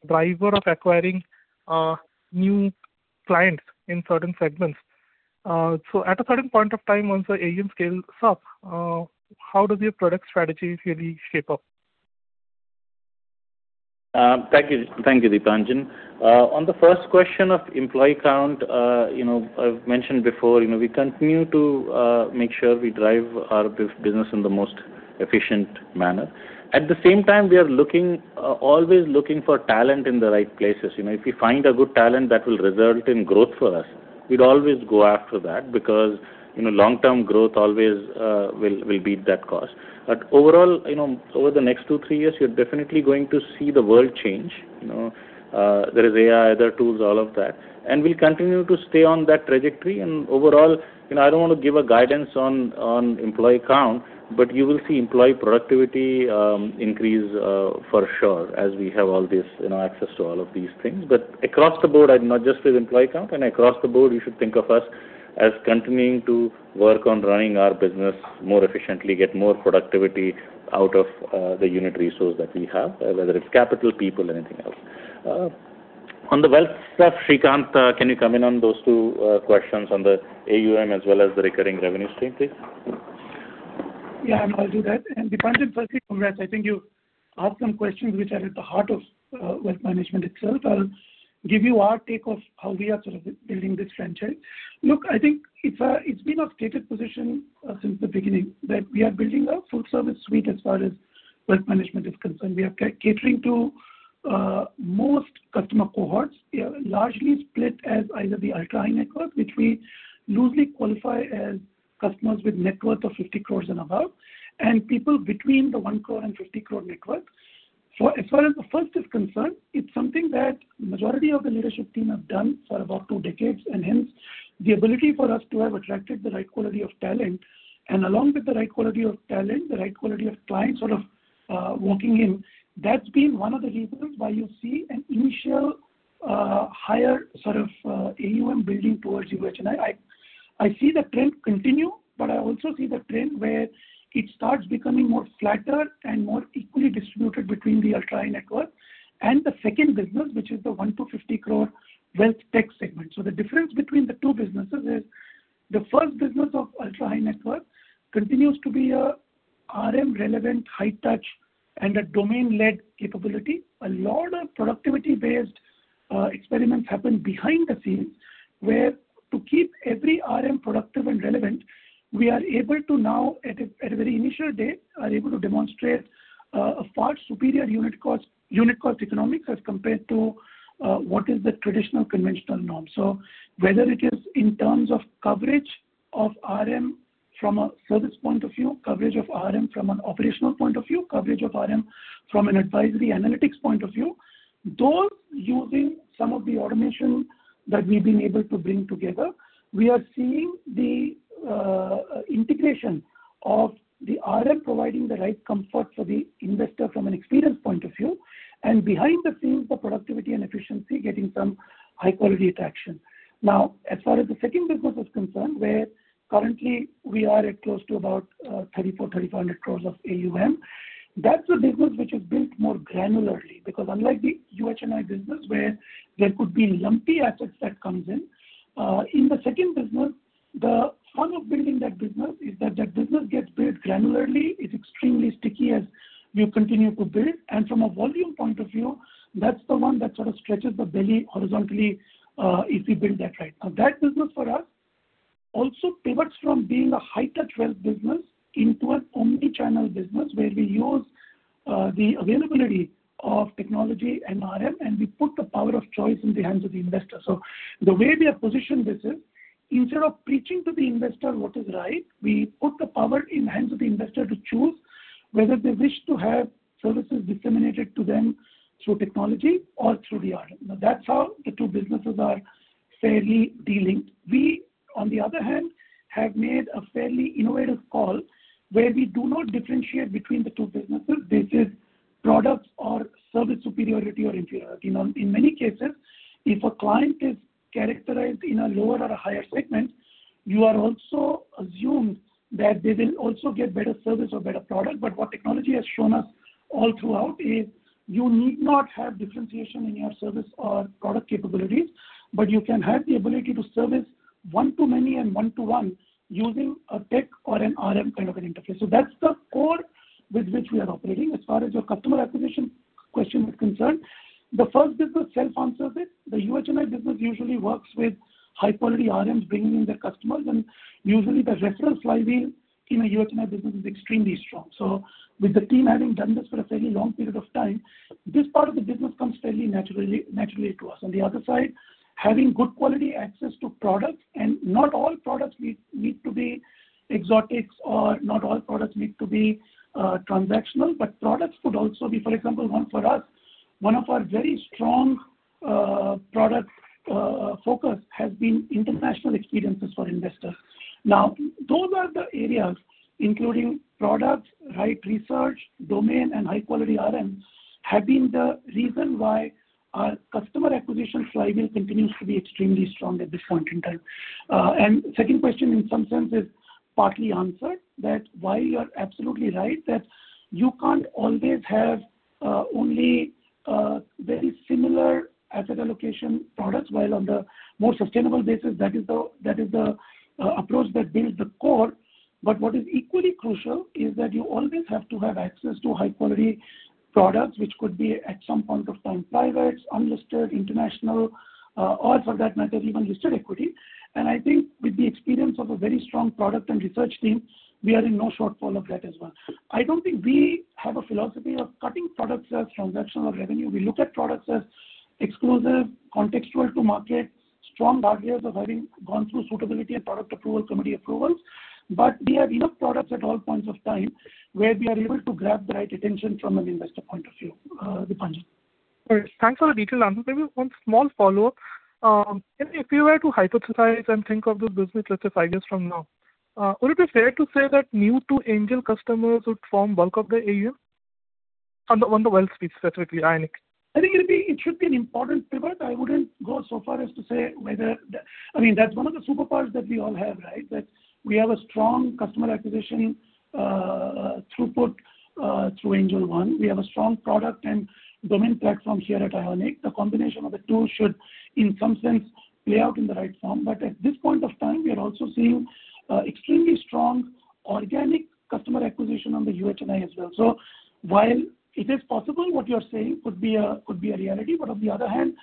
driver of acquiring new clients in certain segments. At a certain point of time, once the AUM scales up, how does your product strategy really shape up? Thank you, Dipanjan. On the first question of employee count, I've mentioned before, we continue to make sure we drive our business in the most efficient manner. At the same time, we are always looking for talent in the right places. If we find a good talent that will result in growth for us, we'd always go after that because long-term growth always will beat that cost. Overall, over the next two, three years, you're definitely going to see the world change. There is AI, other tools, all of that. We'll continue to stay on that trajectory. Overall, I don't want to give a guidance on employee count, but you will see employee productivity increase for sure as we have access to all of these things. Across the board, and not just with employee count, and across the board, you should think of us as continuing to work on running our business more efficiently, get more productivity out of the unit resource that we have, whether it's capital, people, anything else. On the wealth stuff, Srikanth, can you come in on those two questions on the AUM as well as the recurring revenue stream, please? Yeah, I'll do that. Dipanjan, firstly, congrats. I think you asked some questions which are at the heart of wealth management itself. I'll give you our take of how we are sort of building this franchise. Look, I think it's been a stated position since the beginning that we are building a full-service suite as far as wealth management is concerned. We are catering to most customer cohorts, largely split as either the Ultra High Net-worth, which we loosely qualify as customers with net worth of 50 crores and above, and people between the 1 crore and 50 crores net worth. As far as the first is concerned, it's something that majority of the leadership team have done for about two decades, and hence, the ability for us to have attracted the right quality of talent, and along with the right quality of talent, the right quality of clients walking in, that's been one of the reasons why you see an initial higher AUM building towards UHNI. I see the trend continue, but I also see the trend where it starts becoming more flatter and more equally distributed between the ultra-high-net-worth and the second business, which is the one to 50 crore wealth tech segment. The difference between the two businesses is the first business of ultra-high-net-worth continues to be a RM relevant high touch and a domain-led capability. A lot of productivity-based experiments happen behind the scenes, where to keep every RM productive and relevant, we are able to now, at a very initial date, are able to demonstrate a far superior unit cost economics as compared to what is the traditional conventional norm. Whether it is in terms of coverage of RM from a service point of view, coverage of RM from an operational point of view, coverage of RM from an advisory analytics point of view, those using some of the automation that we've been able to bring together, we are seeing the integration of the RM providing the right comfort for the investor from an experience point of view, and behind the scenes, the productivity and efficiency getting some high-quality attraction. As far as the second business is concerned, where currently we are at close to about 3,400, 3,500 crores of AUM, that's a business which is built more granularly. Unlike the UHNI business where there could be lumpy assets that comes in the second business, the fun of building that business is that that business gets built granularly, is extremely sticky as we continue to build, and from a volume point of view, that's the one that sort of stretches the belly horizontally if we build that right. That business for us also pivots from being a high-touch wealth business into an omnichannel business where we use the availability of technology and RM, and we put the power of choice in the hands of the investor. The way we have positioned this is instead of preaching to the investor what is right, we put the power in hands of the investor to choose whether they wish to have services disseminated to them through technology or through the RM. That's how the two businesses are fairly dealing. We, on the other hand, have made a fairly innovative call where we do not differentiate between the two businesses basis products or service superiority or inferiority. In many cases, if a client is characterized in a lower or a higher segment, you are also assumed that they will also get better service or better product. What technology has shown us all throughout is you need not have differentiation in your service or product capabilities, but you can have the ability to service one-to-many and one-to-one using a tech or an RM kind of an interface. That's the core with which we are operating. As far as your customer acquisition question is concerned, the first business self-answers it. The UHNI business usually works with high-quality RMs bringing in their customers, and usually the reference lively in a UHNI business is extremely strong. With the team having done this for a fairly long period of time, this part of the business comes fairly naturally to us. On the other side, having good quality access to products, and not all products need to be exotics or not all products need to be transactional, but products could also be, for example, one for us. One of our very strong product focus has been international experiences for investors. Those are the areas, including products, right research, domain, and high-quality RM, have been the reason why our customer acquisition flywheel continues to be extremely strong at this point in time. Second question, in some sense is partly answered, that while you're absolutely right, that you can't always have only very similar asset allocation products while on the more sustainable basis, that is the approach that builds the core. What is equally crucial is that you always have to have access to high-quality products, which could be at some point of time privates, unlisted, international, or for that matter, even listed equity. I think with the experience of a very strong product and research team, we are in no shortfall of that as well. I don't think we have a philosophy of cutting products as transactional revenue. We look at products as exclusive, contextual to market, strong barriers of having gone through suitability and product approval, committee approvals. We have enough products at all points of time where we are able to grab the right attention from an investor point of view. Dipanjan. Thanks for the detail. Maybe one small follow-up. If you were to hypothesize and think of those business lifts of ideas from now, would it be fair to say that new to Angel customers would form bulk of the AUM? On the wealth space specifically, Ionic? I think it should be an important pivot. I wouldn't go so far as to say that's one of the superpowers that we all have, right? We have a strong customer acquisition throughput through Angel One. We have a strong product and domain platform here at Ionic. The combination of the two should, in some sense, play out in the right form. At this point of time, we are also seeing extremely strong organic customer acquisition on the UHNI as well. While it is possible, what you're saying could be a reality, but on the other hand,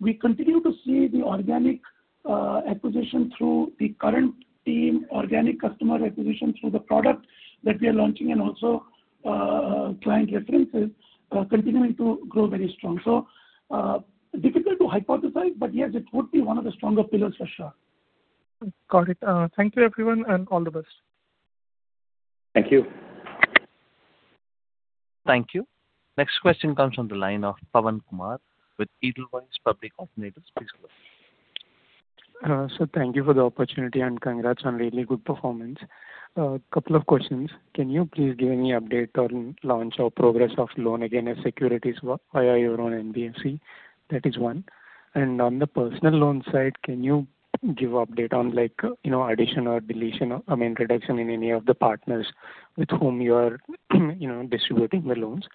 we continue to see the organic acquisition through the current team, organic customer acquisition through the product that we are launching, and also client references continuing to grow very strong. Difficult to hypothesize, but yes, it would be one of the stronger pillars for sure. Got it. Thank you, everyone, and all the best. Thank you. Thank you. Next question comes on the line of Pavan Kumar with Edelweiss Public Alternatives. Please go ahead. Sir, thank you for the opportunity, and congrats on really good performance. A couple of questions. Can you please give any update on launch or progress of loan against securities via your own NBFC? That is one. On the personal loan side, can you give update on addition or deletion, or introduction in any of the partners with whom you are distributing the loans?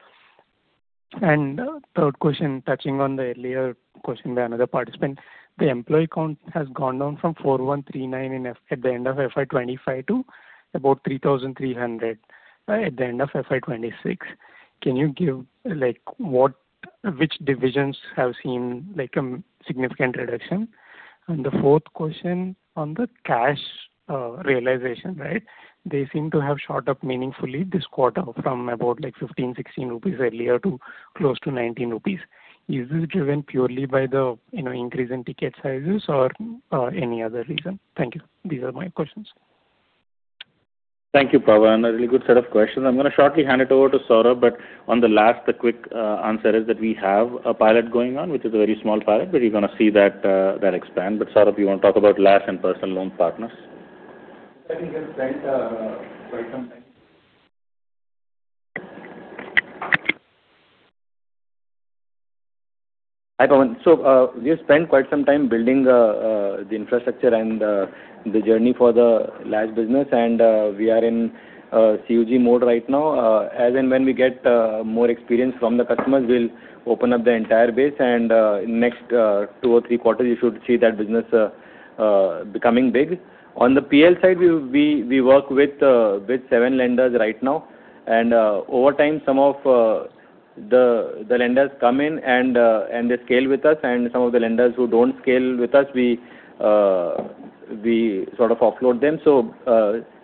Third question, touching on the earlier question by another participant, the employee count has gone down from 4,139 at the end of FY 2025 to about 3,300 at the end of FY 2026. Can you give which divisions have seen a significant reduction? The fourth question on the cash realization. They seem to have shot up meaningfully this quarter from about 15 rupees, 16 rupees earlier to close to 19 rupees. Is this driven purely by the increase in ticket sizes or any other reason? Thank you. These are my questions. Thank you, Pavan. A really good set of questions. I'm going to shortly hand it over to Saurabh, on the last, the quick answer is that we have a pilot going on, which is a very small pilot, but you're going to see that expand. Saurabh, you want to talk about LAS and personal loan partners? I think we have spent quite some time. Hi, Pavan. We have spent quite some time building the infrastructure and the journey for the LAS business, and we are in COG mode right now. As and when we get more experience from the customers, we'll open up the entire base, and next two or three quarters, you should see that business becoming big. On the PL side, we work with seven lenders right now, and over time, some of the lenders come in and they scale with us, and some of the lenders who don't scale with us, we offload them.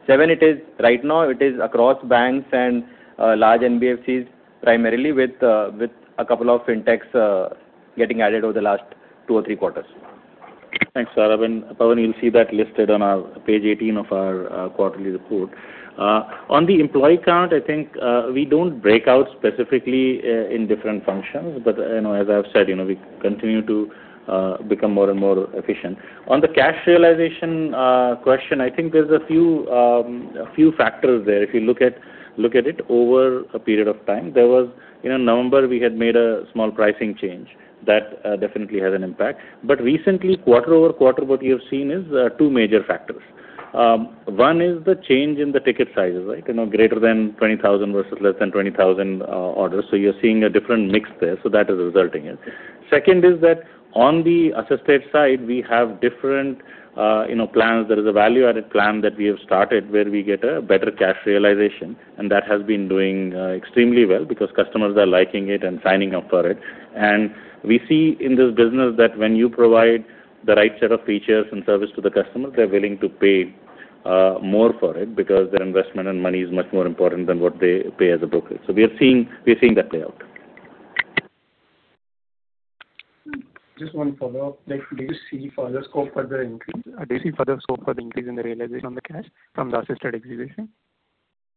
Seven it is right now. It is across banks and large NBFCs primarily with a couple of fintech's getting added over the last two or three quarters. Thanks, Saurabh, and Pavan, you'll see that listed on page 18 of our quarterly report. On the employee count, I think we don't break out specifically in different functions. As I've said, we continue to become more and more efficient. On the cash realization question, I think there's a few factors there. If you look at it over a period of time, there was in November, we had made a small pricing change. That definitely had an impact. Recently, quarter over quarter, what we have seen is two major factors. One is the change in the ticket sizes. Greater than 20,000 versus less than 20,000 orders. You're seeing a different mix there. That is resulting it. Second is that on the assisted side, we have different plans. There is a value-added plan that we have started where we get a better cash realization, and that has been doing extremely well because customers are liking it and signing up for it. We see in this business that when you provide the right set of features and service to the customers, they're willing to pay more for it because their investment and money is much more important than what they pay as a broker. We are seeing that play out. Just one follow-up. Do you see further scope for the increase in the realization of the cash from the assisted exhibition?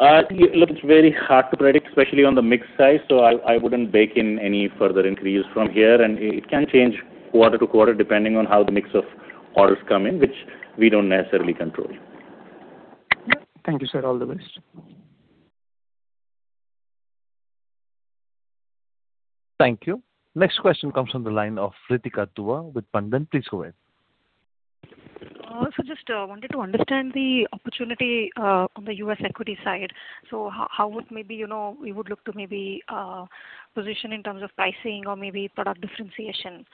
Look, it's very hard to predict, especially on the mix side. I wouldn't bake in any further increase from here, and it can change quarter to quarter, depending on how the mix of orders come in, which we don't necessarily control. Thank you, sir. All the best. Thank you. Next question comes from the line of Ritika Dua with Bandhan. Please go ahead. Just wanted to understand the opportunity on the U.S. equity side. How would we look to maybe position in terms of pricing or maybe product differentiation?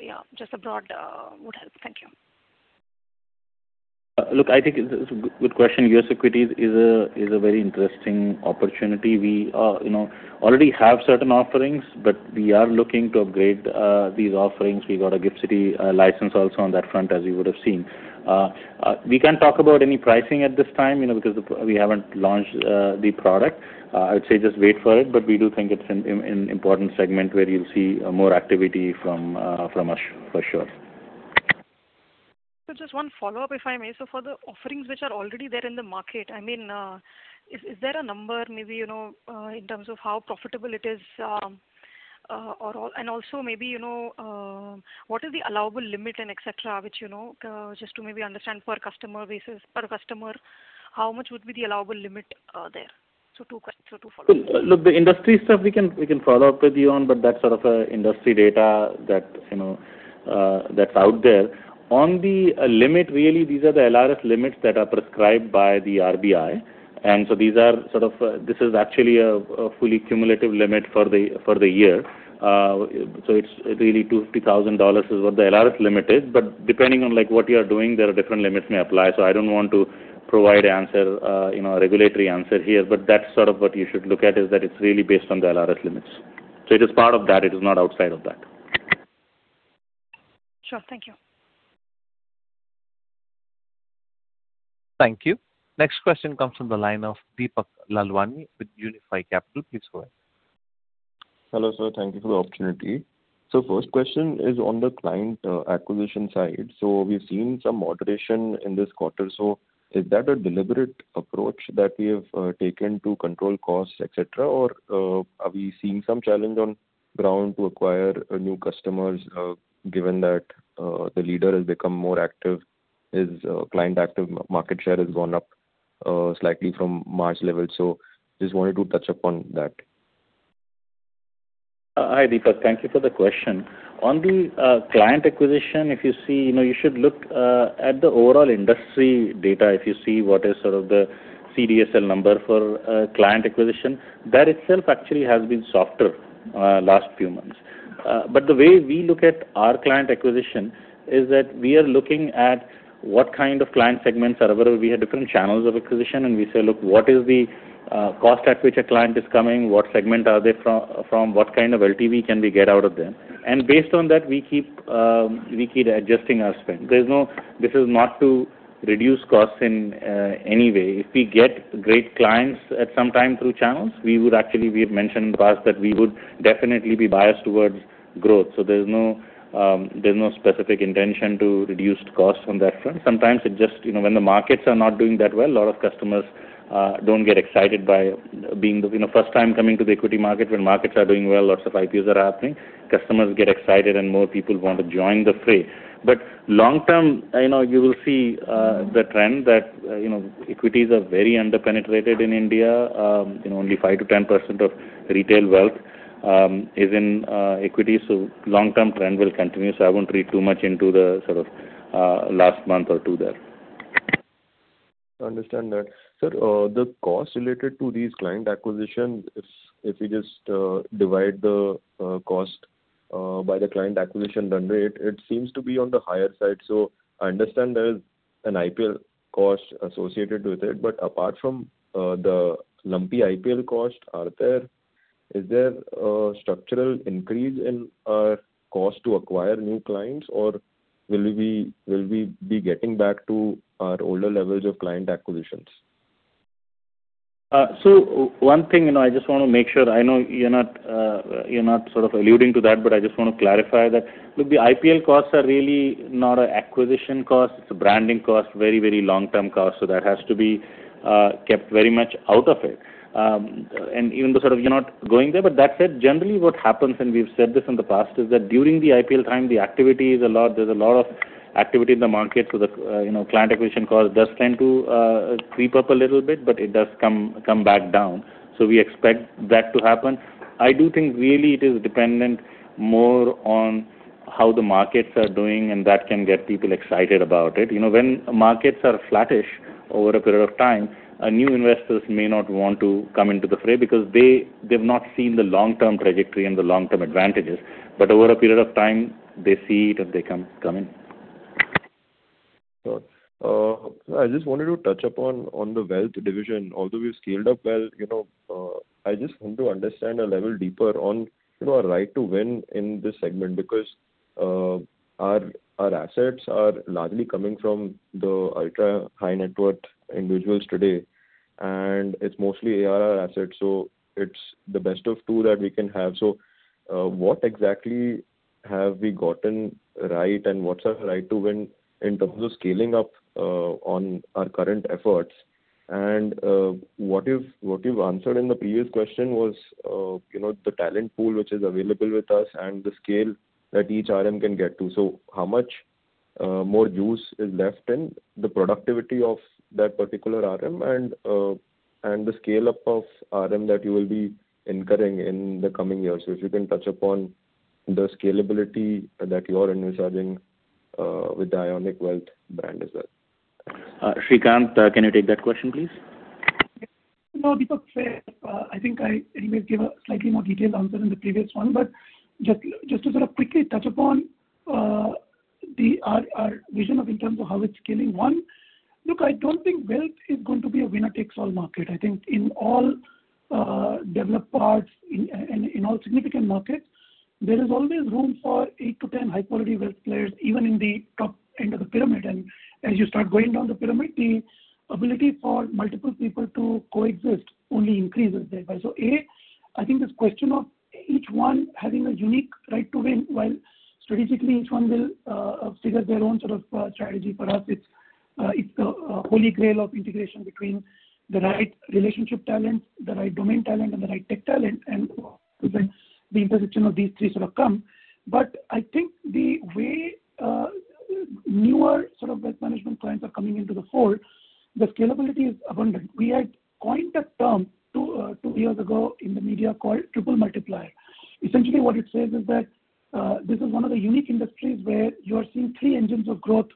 Yeah, just a broad would help. Thank you. Look, I think it's a good question. U.S. equities is a very interesting opportunity. We already have certain offerings, but we are looking to upgrade these offerings. We got a GIFT City license also on that front, as you would have seen. We can't talk about any pricing at this time because we haven't launched the product. I would say just wait for it, but we do think it's an important segment where you'll see more activity from us for sure. Just one follow-up, if I may. For the offerings which are already there in the market, is there a number maybe in terms of how profitable it is? Also maybe what is the allowable limit and et cetera, just to maybe understand per customer, how much would be the allowable limit there? Two follow-ups. Look, the industry stuff we can follow up with you on but that's sort of industry data that's out there. On the limit, really these are the LRS limits that are prescribed by the RBI, this is actually a fully cumulative limit for the year. It's really $250,000 is what the LRS limit is. Depending on what you're doing, there are different limits may apply. I don't want to provide a regulatory answer here, but that's sort of what you should look at, is that it's really based on the LRS limits. It is part of that. It is not outside of that. Sure. Thank you. Thank you. Next question comes from the line of Deepak Lalwani with Unifi Capital. Please go ahead. Hello, Sir. Thank you for the opportunity. First question is on the client acquisition side. We've seen some moderation in this quarter. Is that a deliberate approach that we have taken to control costs, et cetera? Or are we seeing some challenge on ground to acquire new customers, given that the leader has become more active, his client active market share has gone up slightly from March levels. Just wanted to touch upon that. Hi, Deepak. Thank you for the question. On the client acquisition, you should look at the overall industry data. If you see what is sort of the CDSL number for client acquisition, that itself actually has been softer last few months. The way we look at our client acquisition is that we are looking at what kind of client segments are available. We have different channels of acquisition, and we say, "Look, what is the cost at which a client is coming? What segment are they from? What kind of LTV can we get out of them?" Based on that, we keep adjusting our spend. This is not to reduce costs in any way. If we get great clients at some time through channels, we would actually, we had mentioned in the past that we would definitely be biased towards growth. There's no specific intention to reduce costs on that front. Sometimes when the markets are not doing that well, a lot of customers don't get excited by first time coming to the equity market. When markets are doing well, lots of IPOs are happening, customers get excited and more people want to join the fray. Long-term, you will see the trend that equities are very under-penetrated in India. Only 5%-10% of retail wealth is in equities. Long-term trend will continue, I won't read too much into the sort of last month or two there. I understand that. Sir, the cost related to these client acquisitions, if you just divide the cost by the client acquisition run rate, it seems to be on the higher side. I understand there is an IPL cost associated with it, but apart from the lumpy IPL cost, is there a structural increase in our cost to acquire new clients, or will we be getting back to our older levels of client acquisitions? One thing I just want to make sure. I know you're not alluding to that, but I just want to clarify that. Look, the IPL costs are really not a acquisition cost. It's a branding cost, very long-term cost. That has to be kept very much out of it. Even though sort of you're not going there, but that said, generally what happens, and we've said this in the past, is that during the IPL time, there's a lot of activity in the market. The client acquisition cost does tend to creep up a little bit, but it does come back down. We expect that to happen. I do think really it is dependent more on how the markets are doing and that can get people excited about it. When markets are flattish over a period of time, new investors may not want to come into the fray because they've not seen the long-term trajectory and the long-term advantages. Over a period of time, they see it and they come in. Sure. I just wanted to touch upon the wealth division. Although we've scaled up well, I just want to understand a level deeper on our right to win in this segment because our assets are largely coming from the Ultra High Net-worth Individuals today. It's mostly ARR assets, so it's the best of two that we can have. What exactly have we gotten right and what's our right to win in terms of scaling up on our current efforts? What you've answered in the previous question was the talent pool, which is available with us and the scale that each RM can get to. How much more juice is left in the productivity of that particular RM and the scale-up of RM that you will be incurring in the coming years? If you can touch upon the scalability that you're envisaging with the Ionic Wealth brand as well. Srikanth, can you take that question, please? Yes. No, Deepak. I think I anyways gave a slightly more detailed answer than the previous one. Just to sort of quickly touch upon our vision of in terms of how it's scaling. One, look, I don't think wealth is going to be a winner takes all market. I think in all developed parts, in all significant markets, there is always room for 8 to 10 high-quality wealth players, even in the top end of the pyramid. As you start going down the pyramid, the ability for multiple people to coexist only increases thereby. A, I think this question of each one having a unique right to win, while strategically each one will figure their own sort of strategy. For us, it's the holy grail of integration between the right relationship talent, the right domain talent, and the right tech talent, and that's the intersection of these three sort of come. I think the way newer sort of wealth management clients are coming into the fold, the scalability is abundant. We had coined that term two years ago in the media called triple multiplier. Essentially what it says is that this is one of the unique industries where you are seeing three engines of growth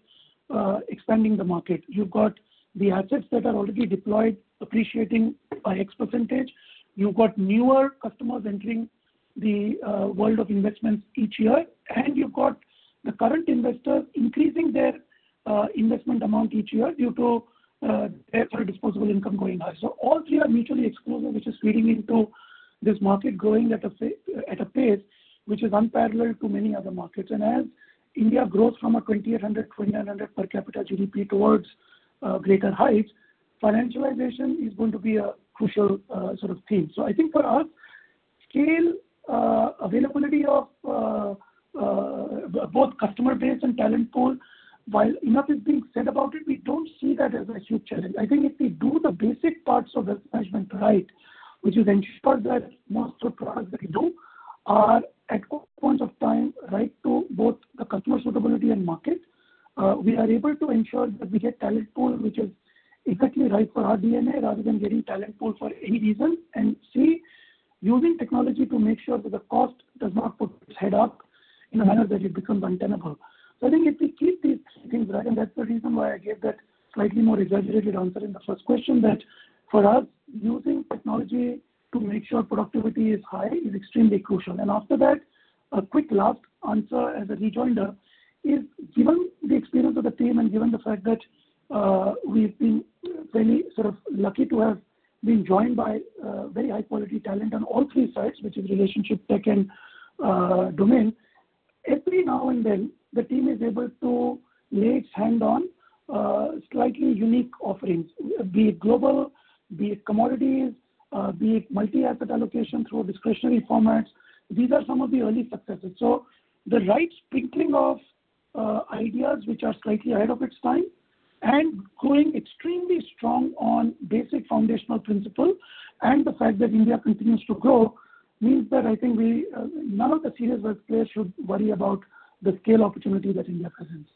expanding the market. You've got the assets that are already deployed appreciating by X percentage You've got newer customers entering the world of investments each year, and you've got the current investors increasing their investment amount each year due to their disposable income going high. All three are mutually exclusive, which is feeding into this market growing at a pace which is unparalleled to many other markets. As India grows from a 2,800, 2,900 per capita GDP towards greater heights, financialization is going to be a crucial sort of theme. I think for us, scale availability of both customer base and talent pool, while enough is being said about it, we don't see that as a huge challenge. I think if we do the basic parts of risk management right, which is ensure that most of the products that we do are at core points of time right to both the customer suitability and market we are able to ensure that we get talent pool, which is exactly right for our DNA rather than getting talent pool for any reason. Three, using technology to make sure that the cost does not put its head up in a manner that it becomes untenable. I think if we keep these three things right, and that's the reason why I gave that slightly more exaggerated answer in the first question, that for us, using technology to make sure productivity is high is extremely crucial. After that, a quick last answer as a rejoinder is given the experience of the team and given the fact that we've been very sort of lucky to have been joined by very high-quality talent on all three sides, which is relationship, tech, and domain every now and then, the team is able to lay its hand on slightly unique offerings, be it global, be it commodities, be it multi-asset allocation through discretionary formats. These are some of the early successes. The right sprinkling of ideas which are slightly ahead of its time and going extremely strong on basic foundational principle, and the fact that India continues to grow means that I think none of the serious wealth players should worry about the scale opportunity that India presents.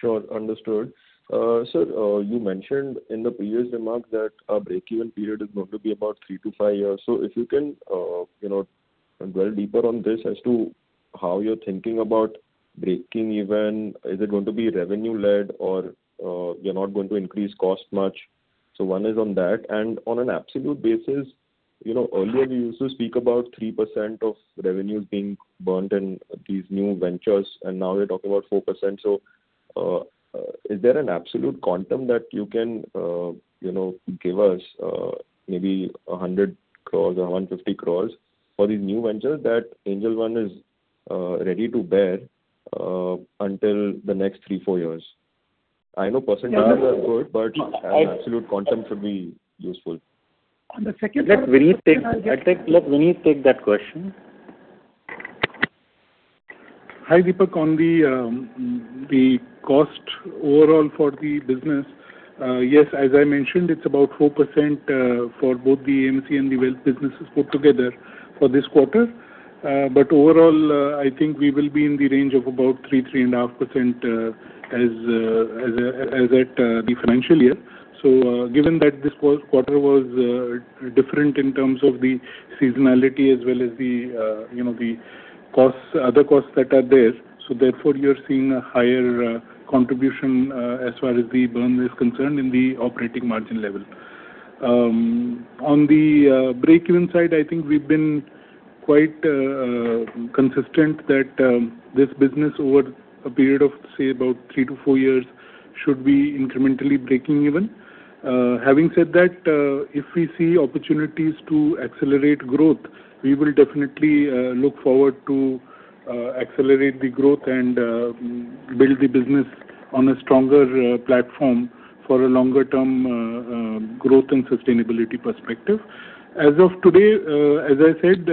Sure. Understood. Sir, you mentioned in the previous remark that a break-even period is going to be about three to five years. If you can dwell deeper on this as to how you're thinking about breaking even. Is it going to be revenue-led or you're not going to increase cost much? One is on that and on an absolute basis earlier you used to speak about 3% of revenues being burnt in these new ventures, and now you're talking about 4%. Is there an absolute quantum that you can give us maybe 100 crore or 150 crore for these new ventures that Angel One is ready to bear until the next three to four years? I know percentages are good but an absolute quantum should be useful. On the second part. Let Vineet take that question. Hi, Deepak. On the cost overall for the business yes, as I mentioned, it is about 4% for both the AMC and the wealth businesses put together for this quarter. Overall, I think we will be in the range of about 3.5% as at the financial year. Given that this quarter was different in terms of the seasonality as well as the other costs that are there, therefore, you are seeing a higher contribution as far as the burn is concerned in the operating margin level. On the break-even side, I think we have been quite consistent that this business over a period of, say about three to four years should be incrementally breaking even. Having said that if we see opportunities to accelerate growth, we will definitely look forward to. Accelerate the growth and build the business on a stronger platform for a longer term growth and sustainability perspective. As of today, as I said,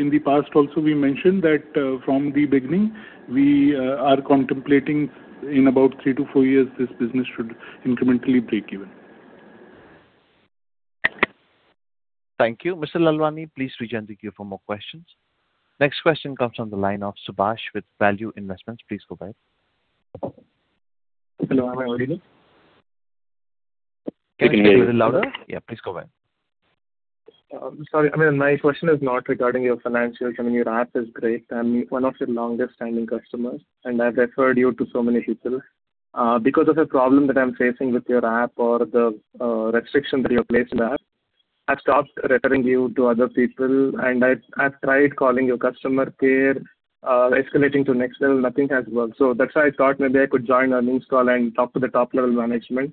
in the past also we mentioned that from the beginning, we are contemplating in about three to four years this business should incrementally break even. Thank you. Mr. Lalwani, please rejoin the queue for more questions. Next question comes from the line of Subhash with Value Investments. Please go ahead. Hello, am I audible? Can you. Little louder. Yeah, please go ahead. Sorry. My question is not regarding your financials. I mean, your app is great. I'm one of your longest standing customers, and I've referred you to so many people. Because of a problem that I'm facing with your app or the restriction that you have placed in the app, I've stopped referring you to other people. I've tried calling your customer care, escalating to next level, nothing has worked. That's why I thought maybe I could join on this call and talk to the top-level management.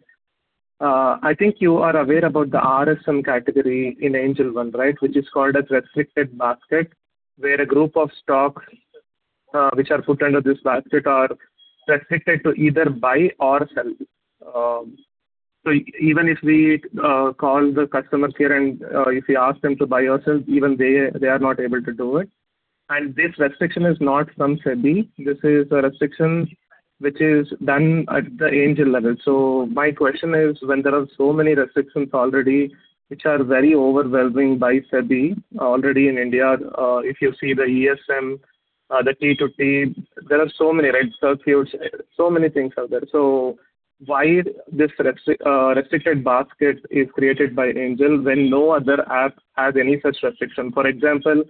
I think you are aware about the RSM category in Angel One, right, which is called as restricted basket, where a group of stocks which are put under this basket are restricted to either buy or sell. Even if we call the customer care and if we ask them to buy or sell, even they are not able to do it. This restriction is not from SEBI, this is a restriction which is done at the Angel level. My question is, when there are so many restrictions already, which are very overwhelming by SEBI already in India, if you see the ESM, the T2T, there are so many red circuits, so many things are there. Why this restricted basket is created by Angel when no other app has any such restriction? For example,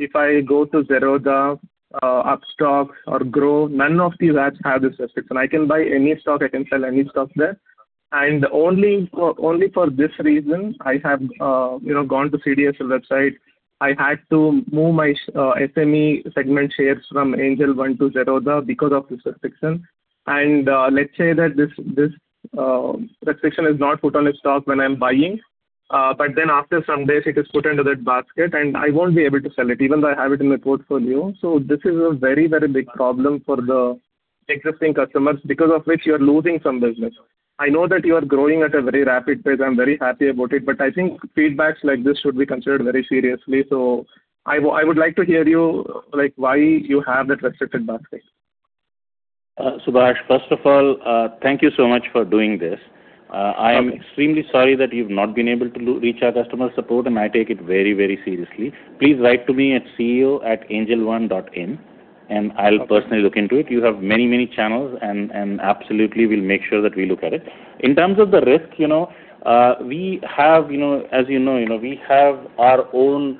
if I go to Zerodha, Upstox, or Groww, none of these apps have this restriction. I can buy any stock, I can sell any stock there. Only for this reason, I have gone to CDSL website. I had to move my SME segment shares from Angel One to Zerodha because of this restriction. Let's say that this restriction is not put on a stock when I'm buying, but then after some days it is put under that basket and I won't be able to sell it even though I have it in my portfolio. This is a very big problem for the existing customers, because of which you're losing some business. I know that you are growing at a very rapid pace. I'm very happy about it, I think feedbacks like this should be considered very seriously. I would like to hear you, why you have that restricted basket. Subhash, first of all, thank you so much for doing this. Okay. I am extremely sorry that you've not been able to reach our customer support, I take it very seriously. Please write to me at ceo@angelone.in, I'll personally look into it. You have many channels, absolutely, we'll make sure that we look at it. In terms of the risk, as you know, we have our own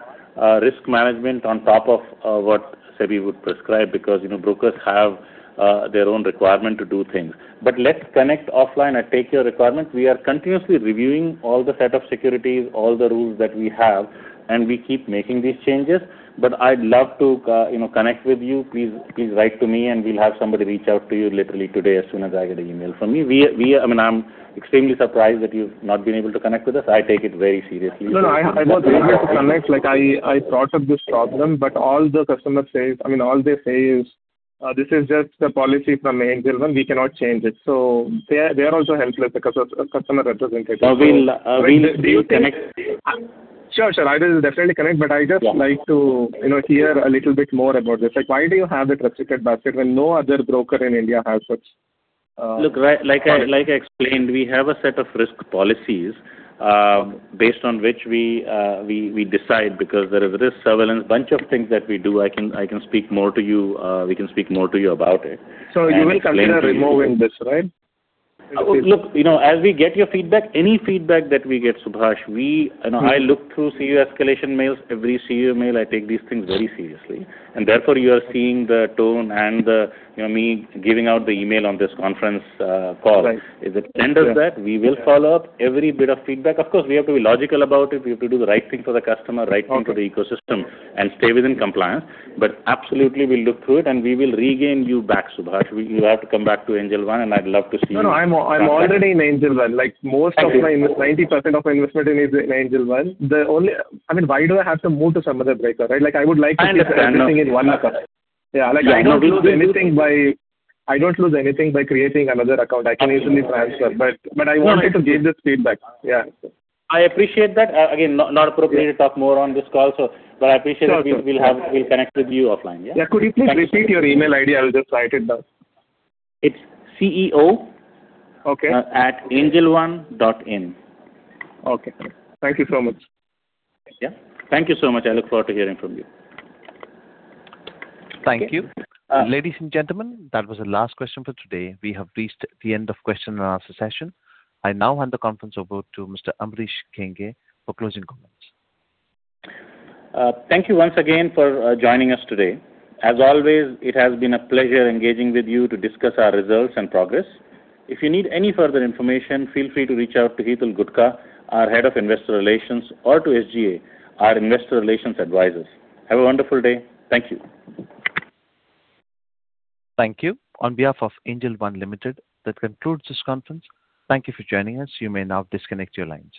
risk management on top of what SEBI would prescribe because brokers have their own requirement to do things. Let's connect offline. I take your requirement. We are continuously reviewing all the set of securities, all the rules that we have, and we keep making these changes. I'd love to connect with you. Please write to me, we'll have somebody reach out to you literally today as soon as I get an email from you. I'm extremely surprised that you've not been able to connect with us. I take it very seriously. I've been able to connect. I brought up this problem, but I mean, all they say is, "This is just the policy from Angel One. We cannot change it." They are also helpless because customer representative. We'll connect. Sure. I will definitely connect. I'd just like to hear a little bit more about this. Why do you have that restricted basket when no other broker in India has. Look, like I explained, we have a set of risk policies, based on which we decide, because there is risk surveillance, bunch of things that we do. I can speak more to you. We can speak more to you about it and explain to you. You will consider removing this, right? Look, as we get your feedback, any feedback that we get, Subhash, I look through CEO escalation mails, every CEO mail, I take these things very seriously, therefore you are seeing the tone and me giving out the email on this conference call. Right. Is it end of that? We will follow up every bit of feedback. Of course, we have to be logical about it. We have to do the right thing for the customer, right thing for the ecosystem, and stay within compliance. Absolutely we'll look through it, and we will regain you back, Subhash. You have to come back to Angel One, and I'd love to see you. No, I'm already in Angel One. Most of my 90% of my investment is in Angel One. I mean, why do I have to move to some other broker, right? I would like to keep everything in one account. Yeah. I don't lose anything by creating another account. I can easily transfer, but I wanted to give this feedback. Yeah. I appreciate that. Again, not appropriate to talk more on this call, but I appreciate it. Sure. We'll connect with you offline. Yeah. Yeah. Could you please repeat your email ID? I will just write it down. It's ceo@angelone.in. Okay. Thank you so much. Yeah. Thank you so much. I look forward to hearing from you. Thank you. Ladies and gentlemen, that was the last question for today. We have reached the end of question-and-answer session. I now hand the conference over to Mr. Ambarish Kenghe for closing comments. Thank you once again for joining us today. As always, it has been a pleasure engaging with you to discuss our results and progress. If you need any further information, feel free to reach out to Hitul Gutka, our Head of Investor Relations, or to SGA, our investor relations advisors. Have a wonderful day. Thank you. Thank you. On behalf of Angel One Limited, that concludes this conference. Thank you for joining us. You may now disconnect your lines.